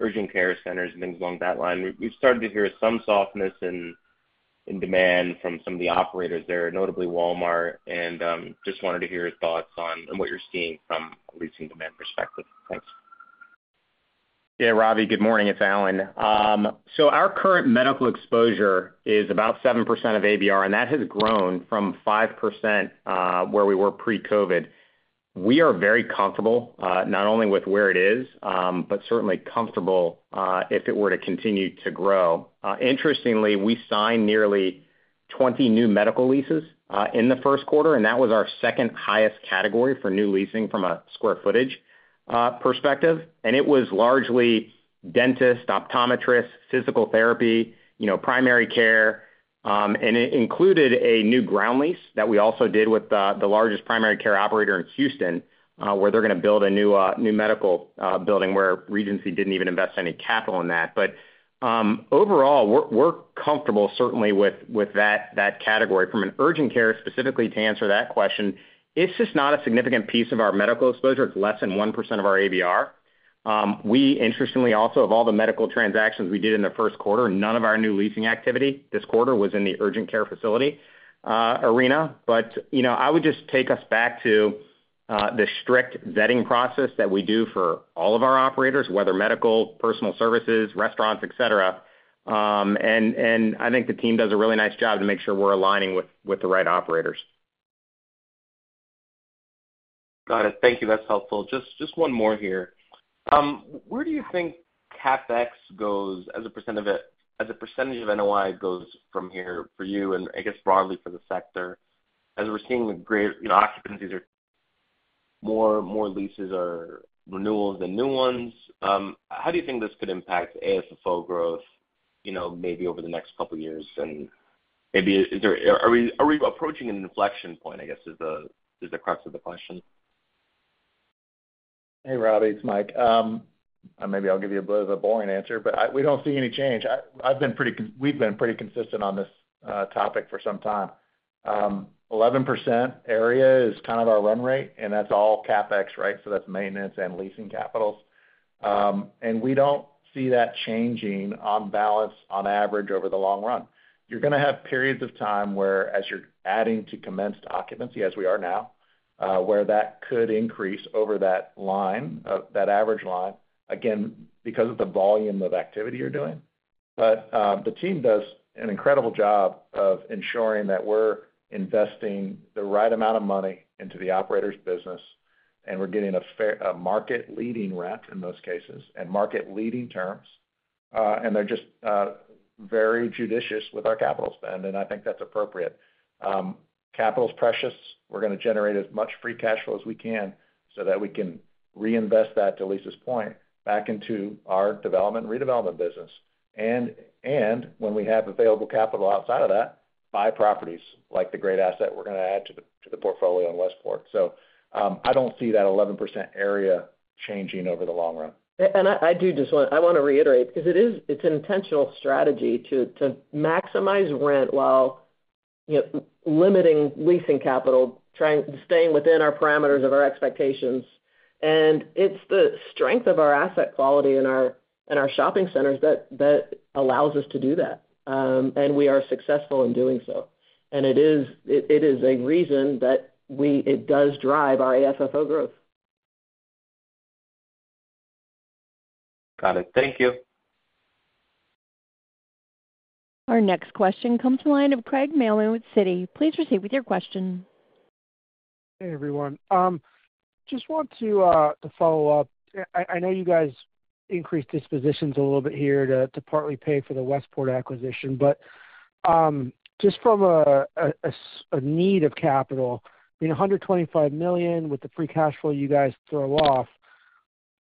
urgent care centers and things along that line, we've started to hear some softness in demand from some of the operators there, notably Walmart, and just wanted to hear your thoughts on what you're seeing from a leasing demand perspective. Thanks. Yeah, Ravi. Good morning. It's Alan. So our current medical exposure is about 7% of ABR, and that has grown from 5% where we were pre-COVID. We are very comfortable not only with where it is, but certainly comfortable if it were to continue to grow. Interestingly, we signed nearly 20 new medical leases in the first quarter, and that was our second highest category for new leasing from a square footage perspective. And it was largely dentists, optometrists, physical therapy, primary care. And it included a new ground lease that we also did with the largest primary care operator in Houston, where they're going to build a new medical building where Regency didn't even invest any capital in that. But overall, we're comfortable, certainly, with that category. From an urgent care specifically, to answer that question, it's just not a significant piece of our medical exposure. It's less than 1% of our ABR. We, interestingly, also of all the medical transactions we did in the first quarter, none of our new leasing activity this quarter was in the urgent care facility arena. But I would just take us back to the strict vetting process that we do for all of our operators, whether medical, personal services, restaurants, etc. I think the team does a really nice job to make sure we're aligning with the right operators. Got it. Thank you. That's helpful. Just one more here. Where do you think CapEx goes as a percentage of NOI goes from here for you and, I guess, broadly for the sector? As we're seeing occupancies are more leases are renewals than new ones, how do you think this could impact AFFO growth maybe over the next couple of years? And maybe is there are we approaching an inflection point, I guess, is the crux of the question? Hey, Ravi. It's Mike. Maybe I'll give you a bit of a boring answer, but we don't see any change. We've been pretty consistent on this topic for some time. 11% area is kind of our run rate, and that's all CapEx, right? So that's maintenance and leasing capitals. And we don't see that changing on balance, on average, over the long run. You're going to have periods of time where, as you're adding to commenced occupancy, as we are now, where that could increase over that average line, again, because of the volume of activity you're doing. But the team does an incredible job of ensuring that we're investing the right amount of money into the operator's business, and we're getting a market-leading rep in most cases and market-leading terms. And they're just very judicious with our capital spend, and I think that's appropriate. Capital's precious. We're going to generate as much free cash flow as we can so that we can reinvest that, to Lisa's point, back into our development and redevelopment business. When we have available capital outside of that, buy properties like the great asset we're going to add to the portfolio in Westport. I don't see that 11% area changing over the long run. I do just want to reiterate because it's an intentional strategy to maximize rent while limiting leasing capital, staying within our parameters of our expectations. It's the strength of our asset quality in our shopping centers that allows us to do that. We are successful in doing so. It is a reason that it does drive our AFFO growth. Got it. Thank you. Our next question comes from the line of Craig Mailman with Citi. Please proceed with your question. Hey, everyone. Just want to follow up. I know you guys increased dispositions a little bit here to partly pay for the Westport acquisition. But just from a need of capital, I mean, $125 million with the free cash flow you guys throw off,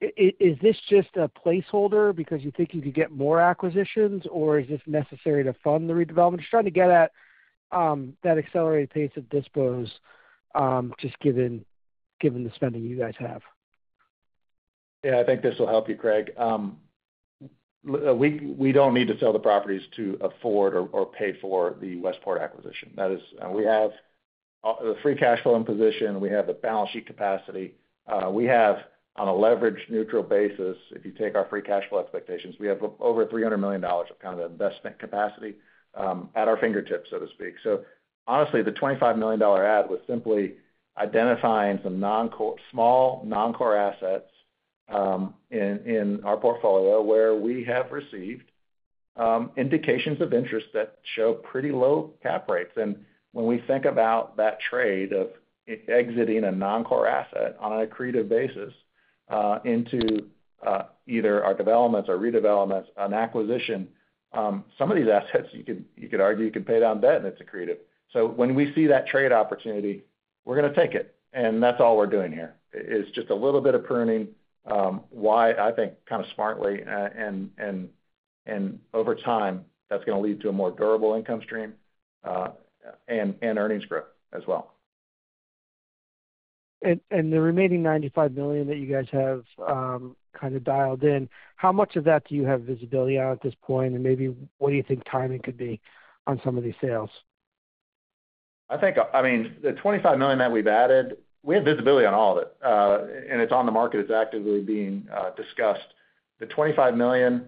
is this just a placeholder because you think you could get more acquisitions, or is this necessary to fund the redevelopment? Just trying to get at that accelerated pace of dispositions, just given the spending you guys have. Yeah, I think this will help you, Craig. We don't need to sell the properties to afford or pay for the Westport acquisition. We have the free cash flow in position. We have the balance sheet capacity. We have, on a leveraged neutral basis, if you take our free cash flow expectations, we have over $300 million of kind of investment capacity at our fingertips, so to speak. So honestly, the $25 million add was simply identifying some small non-core assets in our portfolio where we have received indications of interest that show pretty low cap rates. And when we think about that trade of exiting a non-core asset on a creative basis into either our developments or redevelopments, an acquisition, some of these assets, you could argue you could pay down debt and it's a creative. So when we see that trade opportunity, we're going to take it. That's all we're doing here. It's just a little bit of pruning, why I think, kind of smartly. Over time, that's going to lead to a more durable income stream and earnings growth as well. The remaining $95 million that you guys have kind of dialed in, how much of that do you have visibility on at this point? And maybe what do you think timing could be on some of these sales? I mean, the $25 million that we've added, we have visibility on all of it. And it's on the market. It's actively being discussed. The $25 million,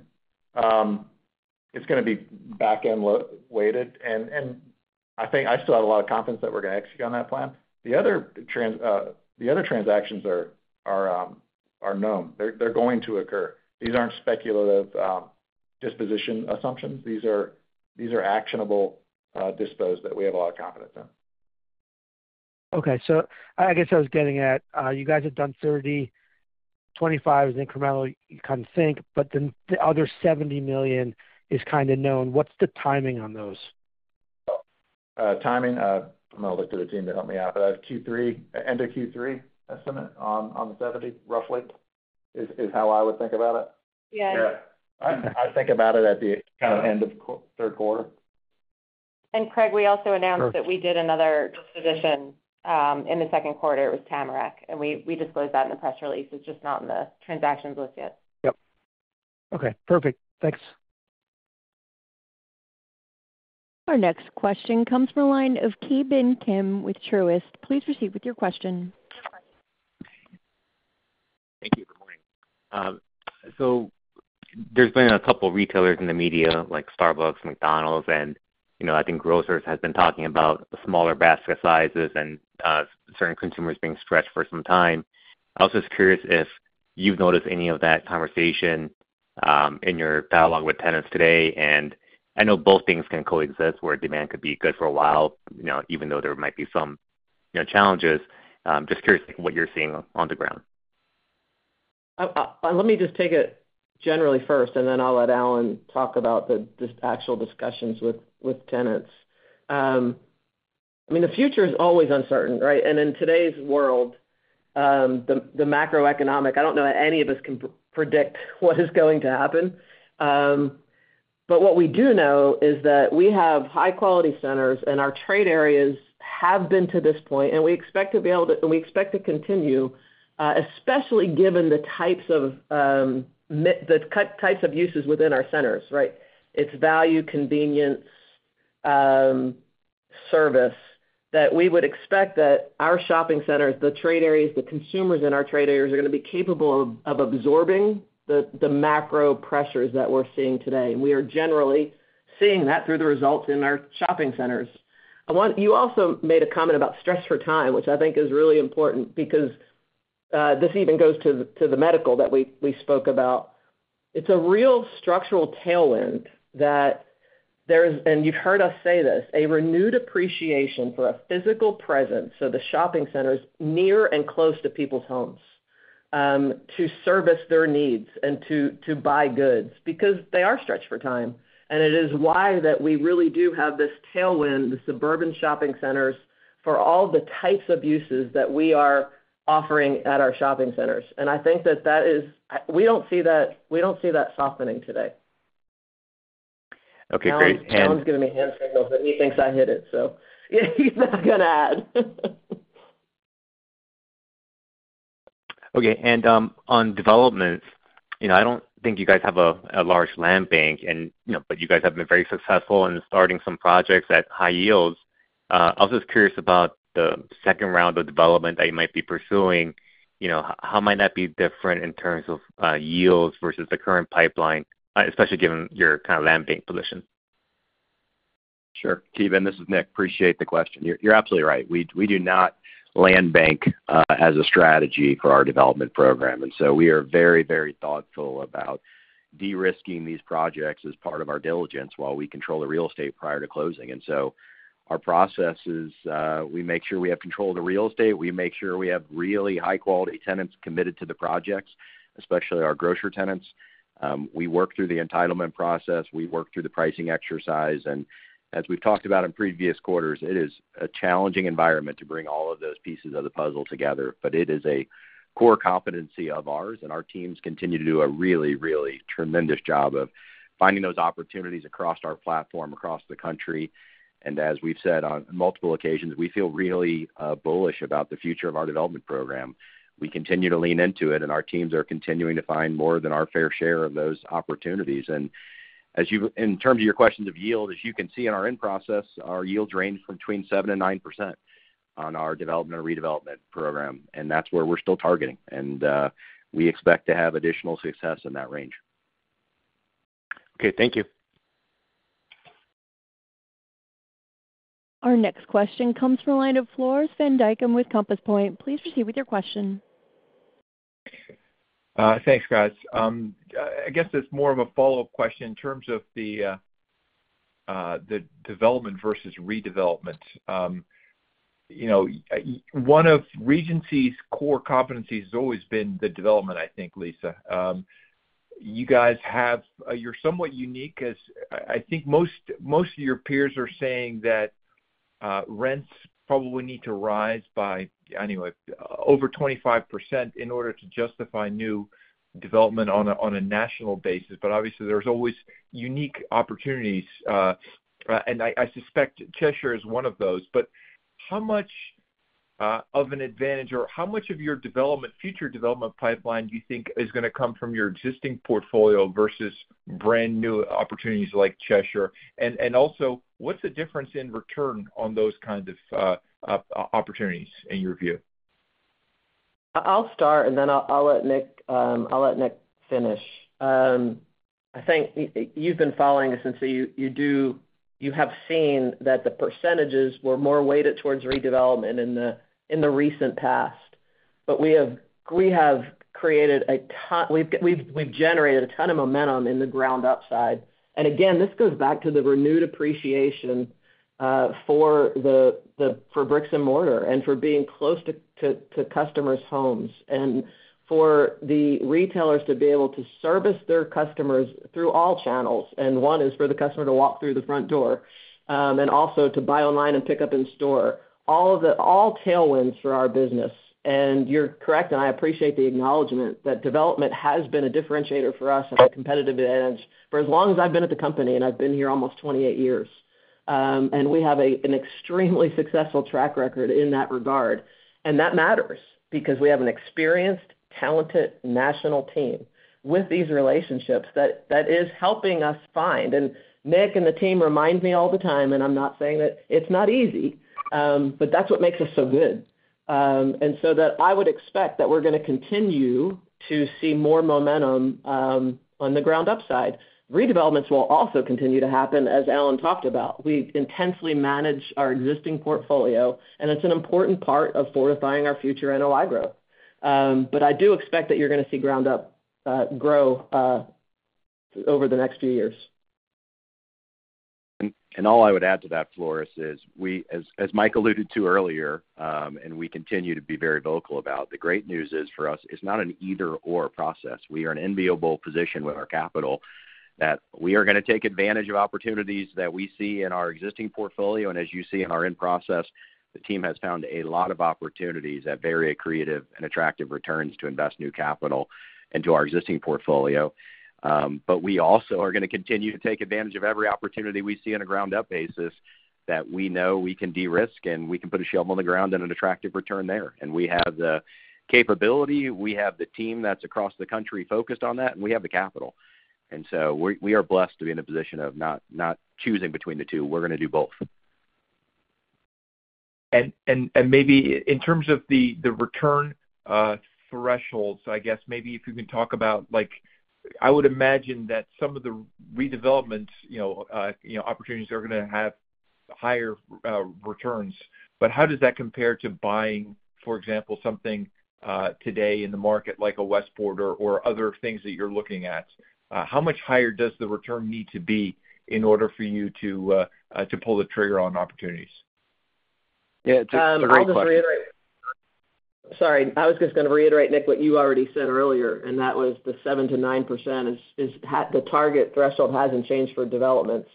it's going to be back-end weighted. And I think I still have a lot of confidence that we're going to execute on that plan. The other transactions are known. They're going to occur. These aren't speculative disposition assumptions. These are actionable dispositions that we have a lot of confidence in. Okay. So I guess I was getting at you guys have done 30. 25 is incremental, you kind of think, but then the other $70 million is kind of known. What's the timing on those? Timing? I'm going to look to the team to help me out. But I have Q3, end of Q3 estimate on the 70, roughly, is how I would think about it. Yeah. Yeah. I think about it at the kind of end of third quarter. Craig, we also announced that we did another disposition in the second quarter. It was Tamarack. We disclosed that in the press release. It's just not in the transactions list yet. Yep. Okay. Perfect. Thanks. Our next question comes from the line of Ki Bin Kim with Truist. Please proceed with your question. Thank you. Good morning. So there's been a couple of retailers in the media like Starbucks, McDonald's, and I think grocers have been talking about smaller basket sizes and certain consumers being stretched for some time. I also was curious if you've noticed any of that conversation in your dialogue with tenants today. And I know both things can coexist where demand could be good for a while, even though there might be some challenges. Just curious what you're seeing on the ground. Let me just take it generally first, and then I'll let Alan talk about the actual discussions with tenants. I mean, the future is always uncertain, right? And in today's world, the macroeconomic, I don't know that any of us can predict what is going to happen. But what we do know is that we have high-quality centers, and our trade areas have been to this point, and we expect to be able to and we expect to continue, especially given the types of uses within our centers, right? It's value, convenience, service that we would expect that our shopping centers, the trade areas, the consumers in our trade areas are going to be capable of absorbing the macro pressures that we're seeing today. And we are generally seeing that through the results in our shopping centers. You also made a comment about stress for time, which I think is really important because this even goes to the medical that we spoke about. It's a real structural tailwind that there is, and you've heard us say this, a renewed appreciation for a physical presence, so the shopping centers near and close to people's homes, to service their needs and to buy goods because they are stretched for time. And it is why that we really do have this tailwind, the suburban shopping centers, for all the types of uses that we are offering at our shopping centers. And I think that that is we don't see that we don't see that softening today. Okay. Great. And. Alan's going to be hand signaling that he thinks I hit it, so. Yeah, he's not going to add. Okay. And on development, I don't think you guys have a large land bank, but you guys have been very successful in starting some projects at high yields. I was just curious about the second round of development that you might be pursuing. How might that be different in terms of yields versus the current pipeline, especially given your kind of land bank position? Sure. Ki Bin Kim, this is Nick. Appreciate the question. You're absolutely right. We do not land bank as a strategy for our development program. And so we are very, very thoughtful about de-risking these projects as part of our diligence while we control the real estate prior to closing. And so our processes, we make sure we have control of the real estate. We make sure we have really high-quality tenants committed to the projects, especially our grocer tenants. We work through the entitlement process. We work through the pricing exercise. And as we've talked about in previous quarters, it is a challenging environment to bring all of those pieces of the puzzle together. But it is a core competency of ours. And our teams continue to do a really, really tremendous job of finding those opportunities across our platform, across the country. As we've said on multiple occasions, we feel really bullish about the future of our development program. We continue to lean into it, and our teams are continuing to find more than our fair share of those opportunities. And in terms of your questions of yield, as you can see in our end process, our yields range from between 7%-9% on our development and redevelopment program. And that's where we're still targeting. And we expect to have additional success in that range. Okay. Thank you. Our next question comes from the line of Floris Van Dijkum with Compass Point. Please proceed with your question. Thanks, guys. I guess it's more of a follow-up question in terms of the development versus redevelopment. One of Regency's core competencies has always been the development, I think, Lisa. You guys, you're somewhat unique as I think most of your peers are saying that rents probably need to rise by, anyway, over 25% in order to justify new development on a national basis. But obviously, there's always unique opportunities. And I suspect Cheshire is one of those. But how much of an advantage or how much of your future development pipeline do you think is going to come from your existing portfolio versus brand new opportunities like Cheshire? And also, what's the difference in return on those kinds of opportunities in your view? I'll start, and then I'll let Nick finish. I think you've been following us since you have seen that the percentages were more weighted towards redevelopment in the recent past. But we've generated a ton of momentum in the ground upside. And again, this goes back to the renewed appreciation for bricks and mortar and for being close to customers' homes and for the retailers to be able to service their customers through all channels. And one is for the customer to walk through the front door and also to buy online and pick up in store. All tailwinds for our business. And you're correct, and I appreciate the acknowledgment that development has been a differentiator for us and a competitive advantage for as long as I've been at the company, and I've been here almost 28 years. We have an extremely successful track record in that regard. That matters because we have an experienced, talented national team with these relationships that is helping us find. Nick and the team remind me all the time, and I'm not saying that it's not easy, but that's what makes us so good. So I would expect that we're going to continue to see more momentum on the ground-up side. Redevelopments will also continue to happen, as Alan talked about. We intensely manage our existing portfolio, and it's an important part of fortifying our future NOI growth. But I do expect that you're going to see ground-up grow over the next few years. And all I would add to that, Floris, is as Mike alluded to earlier, and we continue to be very vocal about, the great news is for us, it's not an either/or process. We are in an enviable position with our capital that we are going to take advantage of opportunities that we see in our existing portfolio. And as you see in our end process, the team has found a lot of opportunities at very creative and attractive returns to invest new capital into our existing portfolio. But we also are going to continue to take advantage of every opportunity we see on a ground-up basis that we know we can de-risk, and we can put a shovel in the ground and an attractive return there. And we have the capability. We have the team that's across the country focused on that, and we have the capital. And so we are blessed to be in a position of not choosing between the two. We're going to do both. Maybe in terms of the return thresholds, I guess maybe if you can talk about I would imagine that some of the redevelopment opportunities are going to have higher returns. But how does that compare to buying, for example, something today in the market like a Westport or other things that you're looking at? How much higher does the return need to be in order for you to pull the trigger on opportunities? Yeah. I'll just reiterate. Sorry. I was just going to reiterate, Nick, what you already said earlier. And that was the 7%-9%. The target threshold hasn't changed for developments.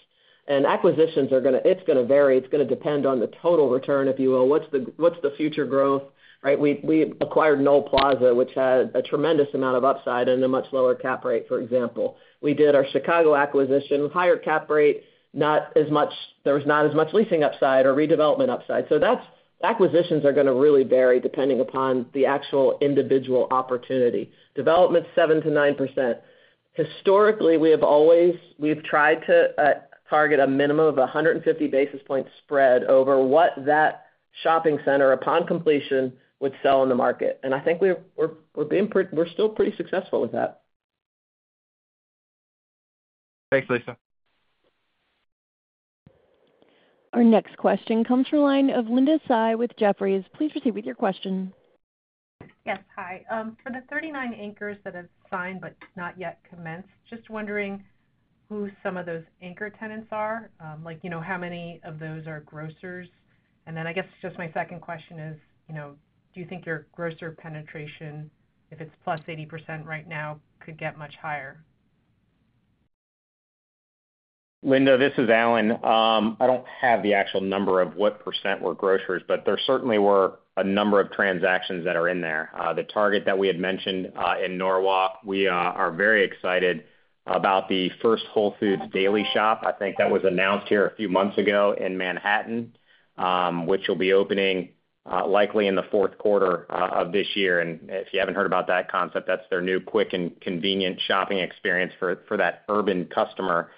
And acquisitions, it's going to vary. It's going to depend on the total return, if you will. What's the future growth, right? We acquired Nohl Plaza, which had a tremendous amount of upside and a much lower cap rate, for example. We did our Chicago acquisition, higher cap rate, not as much. There was not as much leasing upside or redevelopment upside. So acquisitions are going to really vary depending upon the actual individual opportunity. Development, 7%-9%. Historically, we've tried to target a minimum of 150 basis points spread over what that shopping center, upon completion, would sell in the market. And I think we're still pretty successful with that. Thanks, Lisa. Our next question comes from the line of Linda Tsai with Jefferies. Please proceed with your question. Yes. Hi. For the 39 anchors that have signed but not yet commenced, just wondering who some of those anchor tenants are. How many of those are grocers? And then I guess just my second question is, do you think your grocer penetration, if it's 80%+ right now, could get much higher? Linda, this is Alan. I don't have the actual number of what % were grocers, but there certainly were a number of transactions that are in there. The Target that we had mentioned in Norwalk, we are very excited about the first Whole Foods Daily Shop. I think that was announced here a few months ago in Manhattan, which will be opening likely in the fourth quarter of this year. And if you haven't heard about that concept, that's their new quick and convenient shopping experience for that urban customer.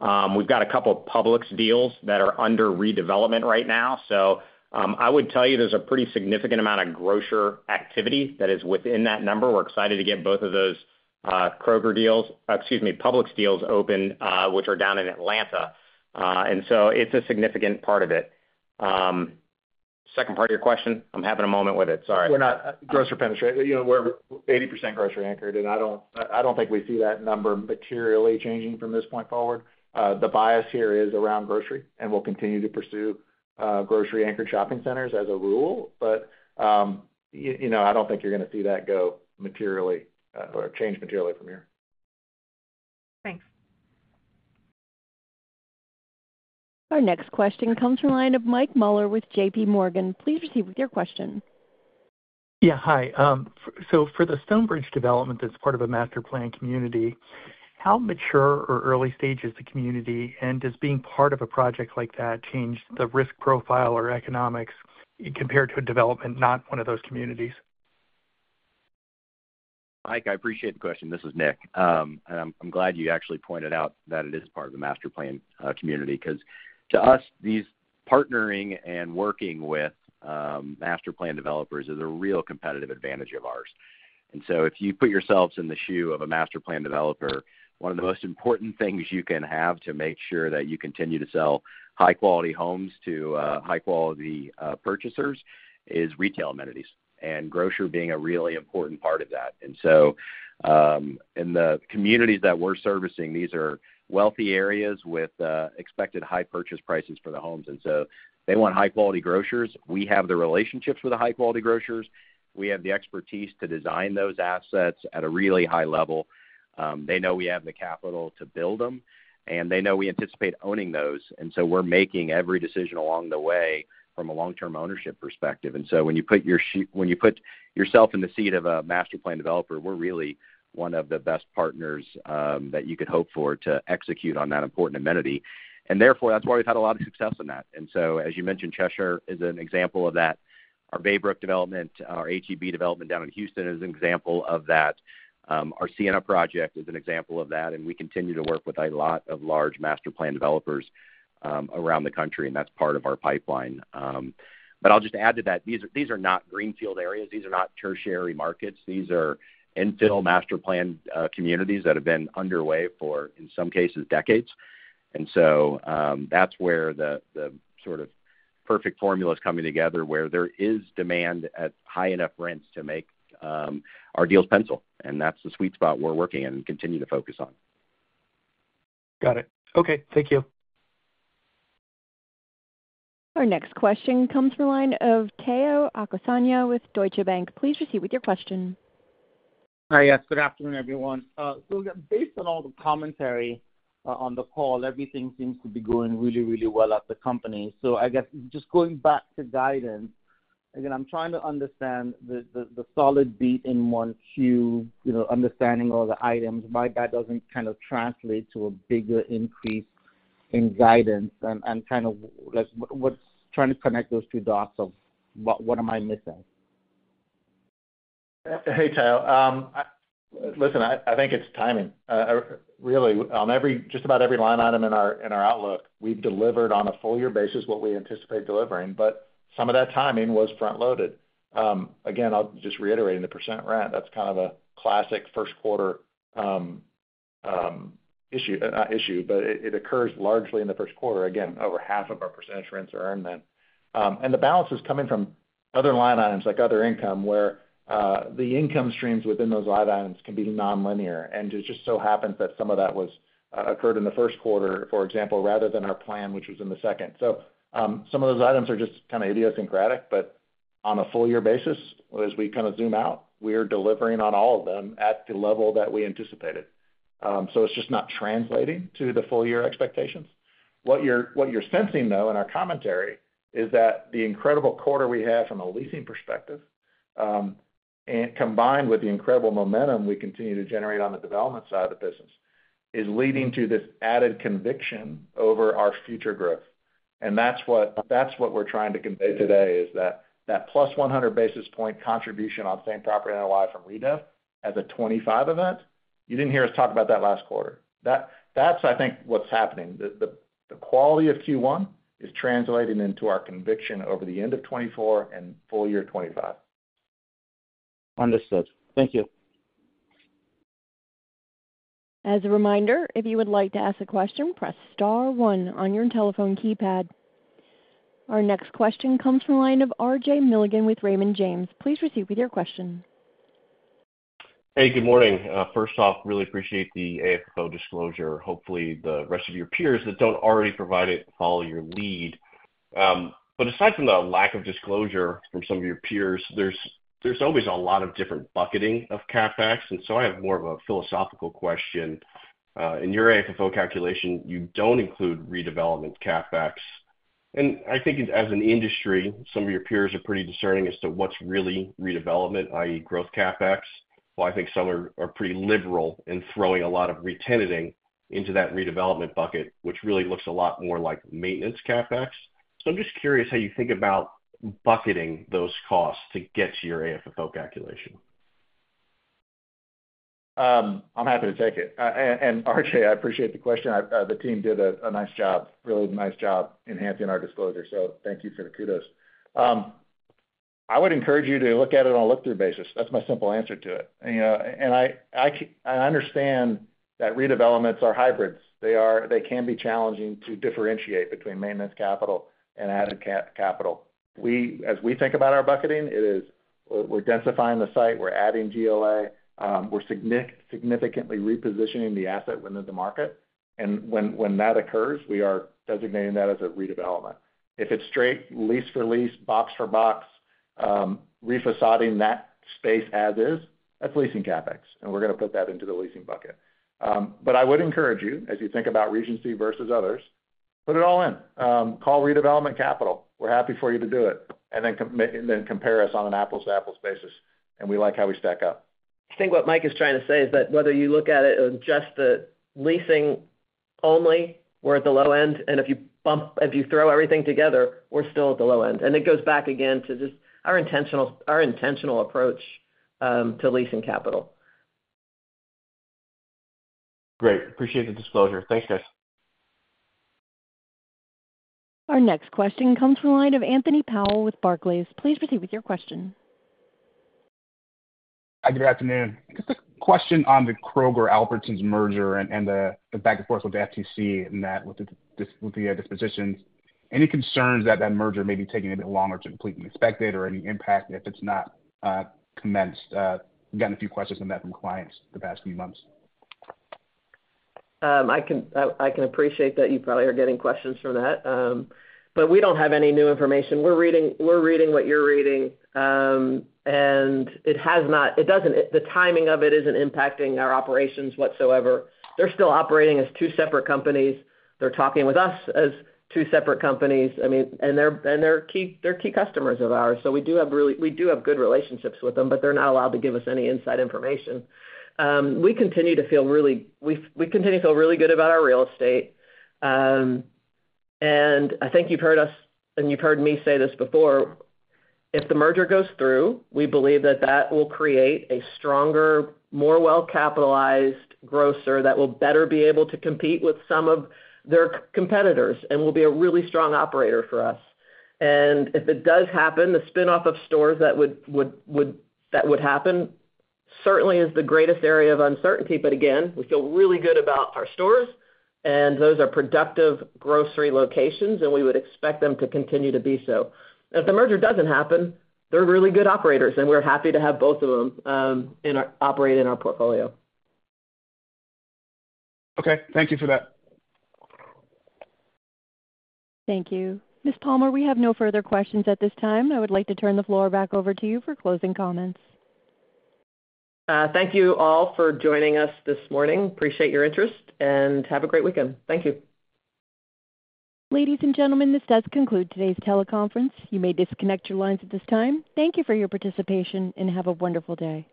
We've got a couple of Publix deals that are under redevelopment right now. So I would tell you there's a pretty significant amount of grocer activity that is within that number. We're excited to get both of those Kroger deals excuse me, Publix deals open, which are down in Atlanta. And so it's a significant part of it. Second part of your question? I'm having a moment with it. Sorry. We're not grocery penetrating. We're 80% grocery anchored, and I don't think we see that number materially changing from this point forward. The bias here is around grocery, and we'll continue to pursue grocery-anchored shopping centers as a rule. But I don't think you're going to see that go materially or change materially from here. Thanks. Our next question comes from the line of Mike Mueller with JPMorgan. Please proceed with your question. Yeah. Hi. So for the Stonebridge development that's part of a master plan community, how mature or early stage is the community, and does being part of a project like that change the risk profile or economics compared to a development not one of those communities? Mike, I appreciate the question. This is Nick. I'm glad you actually pointed out that it is part of the master plan community because to us, these partnering and working with master plan developers is a real competitive advantage of ours. So if you put yourselves in the shoes of a master plan developer, one of the most important things you can have to make sure that you continue to sell high-quality homes to high-quality purchasers is retail amenities and grocer being a really important part of that. So in the communities that we're servicing, these are wealthy areas with expected high purchase prices for the homes. So they want high-quality grocers. We have the relationships with the high-quality grocers. We have the expertise to design those assets at a really high level. They know we have the capital to build them, and they know we anticipate owning those. And so we're making every decision along the way from a long-term ownership perspective. And so when you put yourself in the seat of a master plan developer, we're really one of the best partners that you could hope for to execute on that important amenity. And therefore, that's why we've had a lot of success in that. And so as you mentioned, Cheshire is an example of that. Our Baybrook development, our H-E-B development down in Houston is an example of that. Our Sienna project is an example of that. And we continue to work with a lot of large master plan developers around the country, and that's part of our pipeline. But I'll just add to that, these are not greenfield areas. These are not tertiary markets. These are infill master plan communities that have been underway for, in some cases, decades. And so that's where the sort of perfect formula is coming together where there is demand at high enough rents to make our deals pencil. And that's the sweet spot we're working and continue to focus on. Got it. Okay. Thank you. Our next question comes from the line of Tayo Okusanya with Deutsche Bank. Please proceed with your question. Hi. Yes. Good afternoon, everyone. Based on all the commentary on the call, everything seems to be going really, really well at the company. I guess just going back to guidance, again, I'm trying to understand the solid beat in Q1, understanding all the items. Why that doesn't kind of translate to a bigger increase in guidance? And kind of let's try to connect those two dots of what am I missing? Hey, Tayo. Listen, I think it's timing. Really, on just about every line item in our outlook, we've delivered on a full-year basis what we anticipate delivering. But some of that timing was front-loaded. Again, I'll just reiterate in the percent rent. That's kind of a classic first-quarter issue, but it occurs largely in the first quarter. Again, over half of our percentage rents are earned then. And the balance is coming from other line items like other income where the income streams within those line items can be non-linear. And it just so happens that some of that occurred in the first quarter, for example, rather than our plan, which was in the second. So some of those items are just kind of idiosyncratic. But on a full-year basis, as we kind of zoom out, we are delivering on all of them at the level that we anticipated. It's just not translating to the full-year expectations. What you're sensing, though, in our commentary is that the incredible quarter we have from a leasing perspective, combined with the incredible momentum we continue to generate on the development side of the business, is leading to this added conviction over our future growth. That's what we're trying to convey today, is that plus 100 basis point contribution on Same Property NOI from redev as a 25 event. You didn't hear us talk about that last quarter. That's, I think, what's happening. The quality of Q1 is translating into our conviction over the end of 2024 and full year 2025. Understood. Thank you. As a reminder, if you would like to ask a question, press star one on your telephone keypad. Our next question comes from the line of R.J. Milligan with Raymond James. Please proceed with your question. Hey. Good morning. First off, really appreciate the AFFO disclosure. Hopefully, the rest of your peers that don't already provide it follow your lead. Aside from the lack of disclosure from some of your peers, there's always a lot of different bucketing of CapEx. I have more of a philosophical question. In your AFFO calculation, you don't include redevelopment CapEx. I think as an industry, some of your peers are pretty discerning as to what's really redevelopment, i.e., growth CapEx. While I think some are pretty liberal in throwing a lot of retention into that redevelopment bucket, which really looks a lot more like maintenance CapEx. I'm just curious how you think about bucketing those costs to get to your AFFO calculation. I'm happy to take it. And R.J., I appreciate the question. The team did a nice job, really nice job enhancing our disclosure. So thank you for the kudos. I would encourage you to look at it on a look-through basis. That's my simple answer to it. And I understand that redevelopments are hybrids. They can be challenging to differentiate between maintenance capital and added capital. As we think about our bucketing, we're densifying the site. We're adding GLA. We're significantly repositioning the asset within the market. And when that occurs, we are designating that as a redevelopment. If it's straight, lease for lease, box for box, refacading that space as is, that's leasing CapEx. And we're going to put that into the leasing bucket. But I would encourage you, as you think about Regency versus others, put it all in. Call redevelopment capital. We're happy for you to do it. And then compare us on an apples-to-apples basis. And we like how we stack up. I think what Mike is trying to say is that whether you look at it as just the leasing only, we're at the low end. If you throw everything together, we're still at the low end. It goes back again to just our intentional approach to leasing capital. Great. Appreciate the disclosure. Thanks, guys. Our next question comes from the line of Anthony Powell with Barclays. Please proceed with your question. Good afternoon. Just a question on the Kroger-Albertsons merger and the back-and-forth with the FTC and that with the dispositions. Any concerns that that merger may be taking a bit longer to complete than expected or any impact if it's not commenced? We've gotten a few questions on that from clients the past few months. I can appreciate that you probably are getting questions from that. But we don't have any new information. We're reading what you're reading. And it doesn't, the timing of it isn't impacting our operations whatsoever. They're still operating as two separate companies. They're talking with us as two separate companies. I mean, and they're key customers of ours. So we do have good relationships with them, but they're not allowed to give us any inside information. We continue to feel really good about our real estate. And I think you've heard us and you've heard me say this before. If the merger goes through, we believe that that will create a stronger, more well-capitalized grocer that will better be able to compete with some of their competitors and will be a really strong operator for us. If it does happen, the spinoff of stores that would happen certainly is the greatest area of uncertainty. But again, we feel really good about our stores, and those are productive grocery locations, and we would expect them to continue to be so. If the merger doesn't happen, they're really good operators, and we're happy to have both of them operate in our portfolio. Okay. Thank you for that. Thank you. Ms. Palmer, we have no further questions at this time. I would like to turn the floor back over to you for closing comments. Thank you all for joining us this morning. Appreciate your interest, and have a great weekend. Thank you. Ladies and gentlemen, this does conclude today's teleconference. You may disconnect your lines at this time. Thank you for your participation, and have a wonderful day.